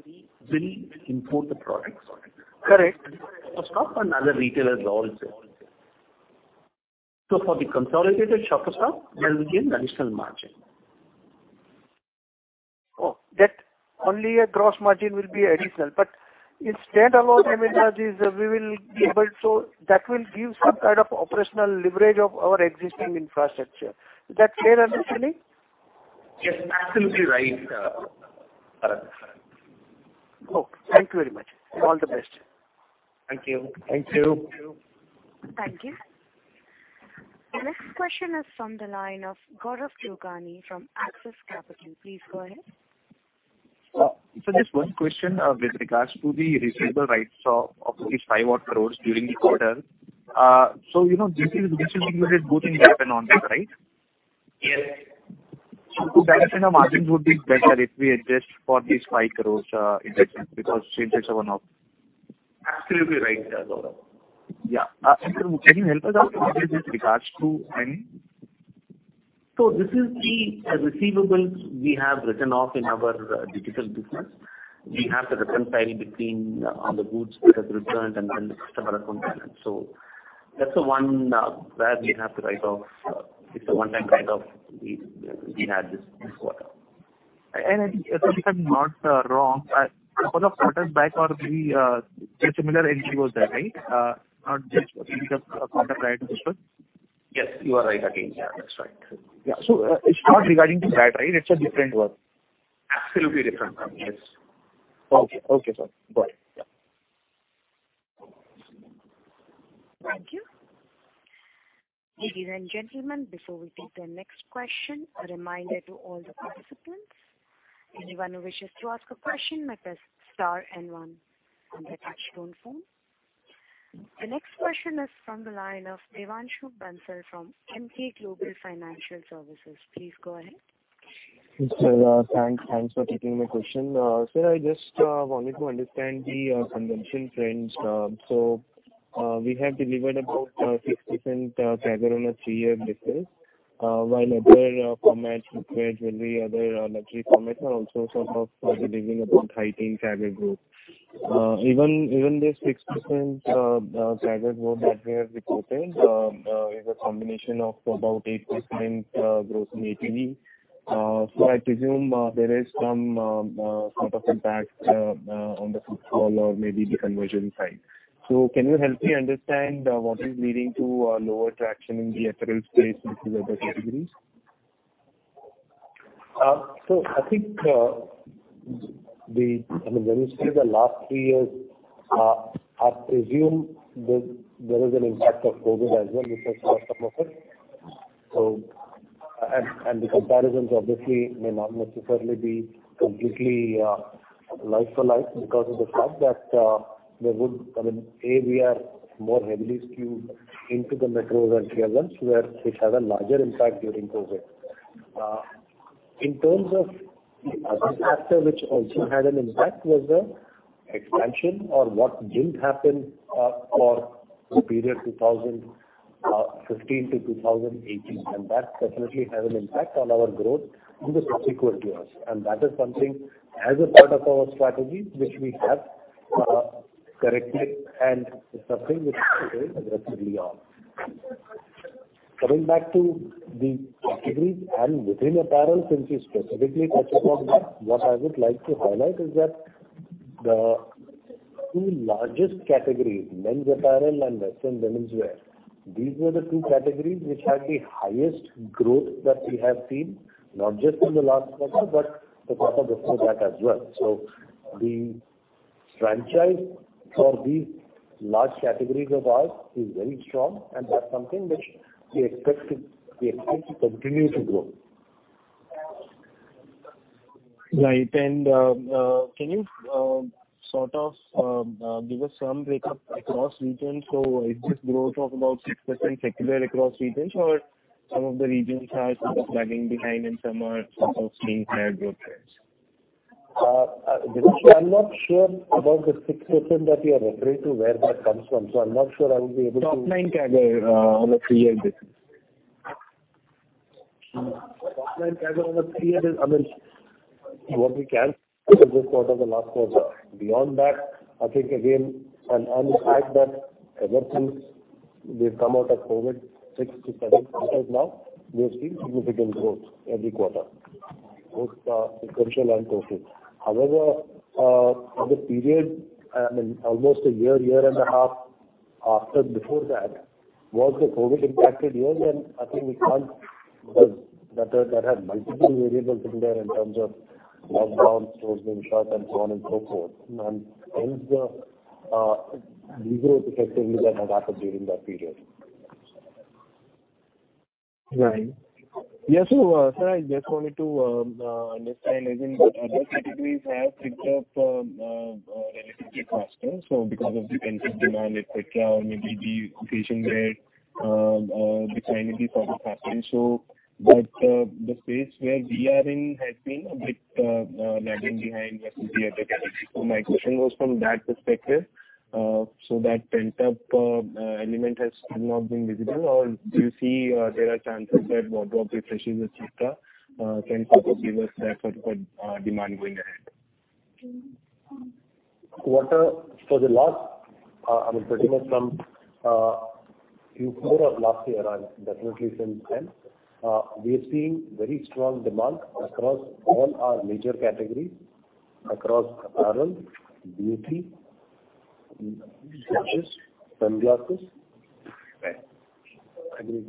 will import the products. Correct. Shoppers Stop and other retailers also. For the consolidated Shoppers Stop, there will be an additional margin. That only a gross margin will be additional, but in standalone image houses, we will be able to. That will give some kind of operational leverage of our existing infrastructure. Is that fair understanding? Yes, absolutely right, Parag. Oh, thank you very much. All the best. Thank you. Thank you. Thank you. The next question is from the line of Gaurav Jogani from Axis Capital. Please go ahead. Just one question with regards to the receivables write-off of 5 crore during the quarter. This is used both in GAAP and non-GAAP, right? Yes. To that extent, our margins would be better if we adjust for these 5 crore, in that sense, because changes are one-off. Absolutely right, Gaurav. Yeah. Can you help us out with regards to when? This is the receivables we have written off in our digital business. We have the return timing between on the goods which has returned and then the customer account balance. That's the one where we have to write off. It's a one-time write-off we had this quarter. If I'm not wrong, couple of quarters back or the similar growth was there, right? Not just a single quarter, right? This was. Yes, you are right again. Yeah, that's right. Yeah. It's not regarding that, right? It's a different one. Absolutely different one. Yes. Okay. Okay, sir. Got it. Yeah. Thank you. Ladies and gentlemen, before we take the next question, a reminder to all the participants, anyone who wishes to ask a question may press star and one on their touch-tone phone. The next question is from the line of Devanshu Bansal from Emkay Global Financial Services. Please go ahead. Sir, thanks for taking my question. Sir, I just wanted to understand the consumption trends. We have delivered about 6% CAGR on a three-year basis, while other formats, footwear, jewelry, other luxury formats are also sort of delivering about 13% CAGR growth. Even this 6% CAGR growth that we have reported is a combination of about 8% growth in ASP. I presume there is some sort of impact on the footfall or maybe the conversion side. Can you help me understand what is leading to lower traction in the apparel space which is other categories? I think, I mean, when you say the last three years, I presume there is an impact of COVID as well, which has messed up a bit. The comparisons obviously may not necessarily be completely like for like because of the fact that, I mean, A, we are more heavily skewed into the metros and Tier 1s, where it had a larger impact during COVID. In terms of the other factor which also had an impact was the expansion or what didn't happen for the period 2015 to 2018. That definitely had an impact on our growth in the subsequent years. That is something as a part of our strategy, which we have corrected and is something which we're very aggressively on. Coming back to the categories and within apparel, since you specifically touched upon that, what I would like to highlight is that the two largest categories, men's apparel and western womenswear, these were the two categories which had the highest-growth that we have seen, not just in the last quarter, but a couple before that as well. The franchise for these large categories of ours is very strong, and that's something which we expect to continue to grow. Right. Can you sort of give us some break-up across regions? Is this growth of about 6% secular across regions or some of the regions are sort of lagging behind and some are sort of seeing higher-growth rates? Devanshu, I'm not sure about the 6% that you're referring to, where that comes from, so I'm not sure I would be able to. Topline CAGR on a three-year basis. What we can say is this quarter, the last quarter. Beyond that, I think again, and on the fact that ever since we've come out of COVID, 6-7 months now, we have seen significant growth every quarter, both essential and grocery. However, for the period, I mean, almost a year and a half after before that was the COVID impacted years. I think we can't, because that had multiple variables in there in terms of lockdowns, stores being shut, and so on and so forth. Hence the de-growth effectively that had happened during that period. Right. Yeah, sir, I just wanted to understand, as in the other categories have picked up relatively faster. Because of the pent-up demand, et cetera, or maybe the occasion wear declining before the festival. But the space where we are in has been a bit lagging behind versus the other categories. My question was from that perspective, so that pent-up element has still not been visible. Or do you see there are chances that wardrobe refreshes, et cetera, can possibly give us that sort of demand going ahead? I mean, pretty much from Q4 of last year and definitely since then, we are seeing very strong demand across all our major categories, across apparel, beauty, watches, sunglasses, bags. I mean,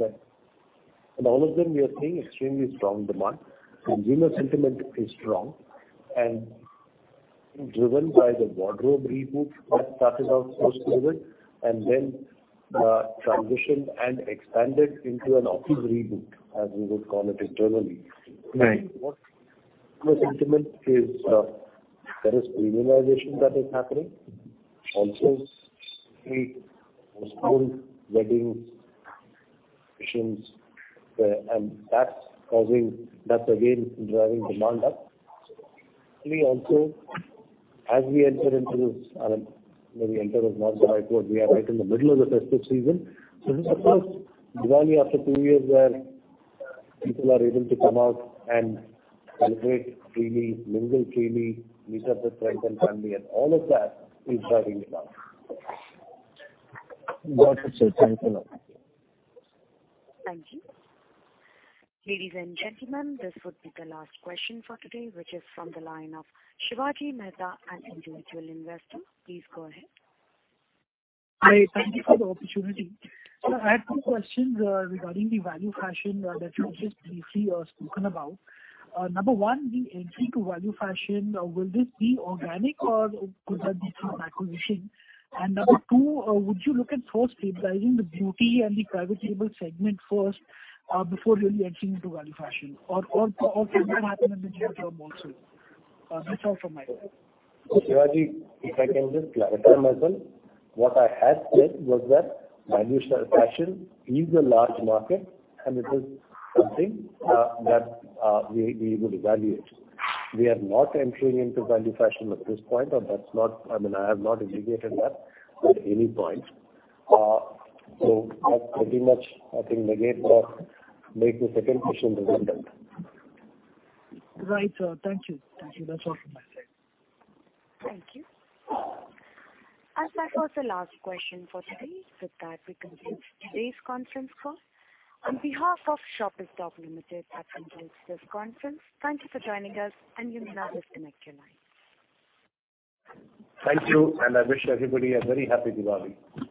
in all of them, we are seeing extremely strong demand. Consumer sentiment is strong and driven by the wardrobe reboot that started out post-COVID and then transitioned and expanded into an office reboot, as we would call it internally. Right. What consumer sentiment is, there is premiumization that is happening also weddings, occasions, and that's again driving demand up. Actually also, as we enter into this, I mean, when we enter is not the right word. We are right in the middle of the festive season. This is the first Diwali after two years, where people are able to come out and celebrate freely, mingle freely, meet up with friends and family and all of that is driving demand. Got it, sir. Thank you so much. Thank you. Ladies and gentlemen, this would be the last question for today, which is from the line of Shivaji Mehta, an individual investor. Please go ahead. Hi, thank you for the opportunity. Sir, I had two questions regarding the value fashion that you just briefly spoken about. Number one, the entry to value fashion will this be organic or could that be through acquisition? Number two, would you look at first stabilizing the beauty and the private label segment first before really entering into value fashion or can that happen in parallel also? That's all from my side. Shivaji, if I can just clarify myself, what I had said was that value fashion is a large market, and it is something that we would evaluate. We are not entering into value fashion at this point, or that's not, I mean, I have not indicated that at any point. That pretty much I think negates or makes the second question redundant. Right, sir. Thank you. Thank you. That's all from my side. Thank you. As that was the last question for today, with that, we conclude today's Conference Call. On behalf of Shoppers Stop Limited, I conclude this conference. Thank you for joining us, and you may now disconnect your line. Thank you, and I wish everybody a very happy Diwali.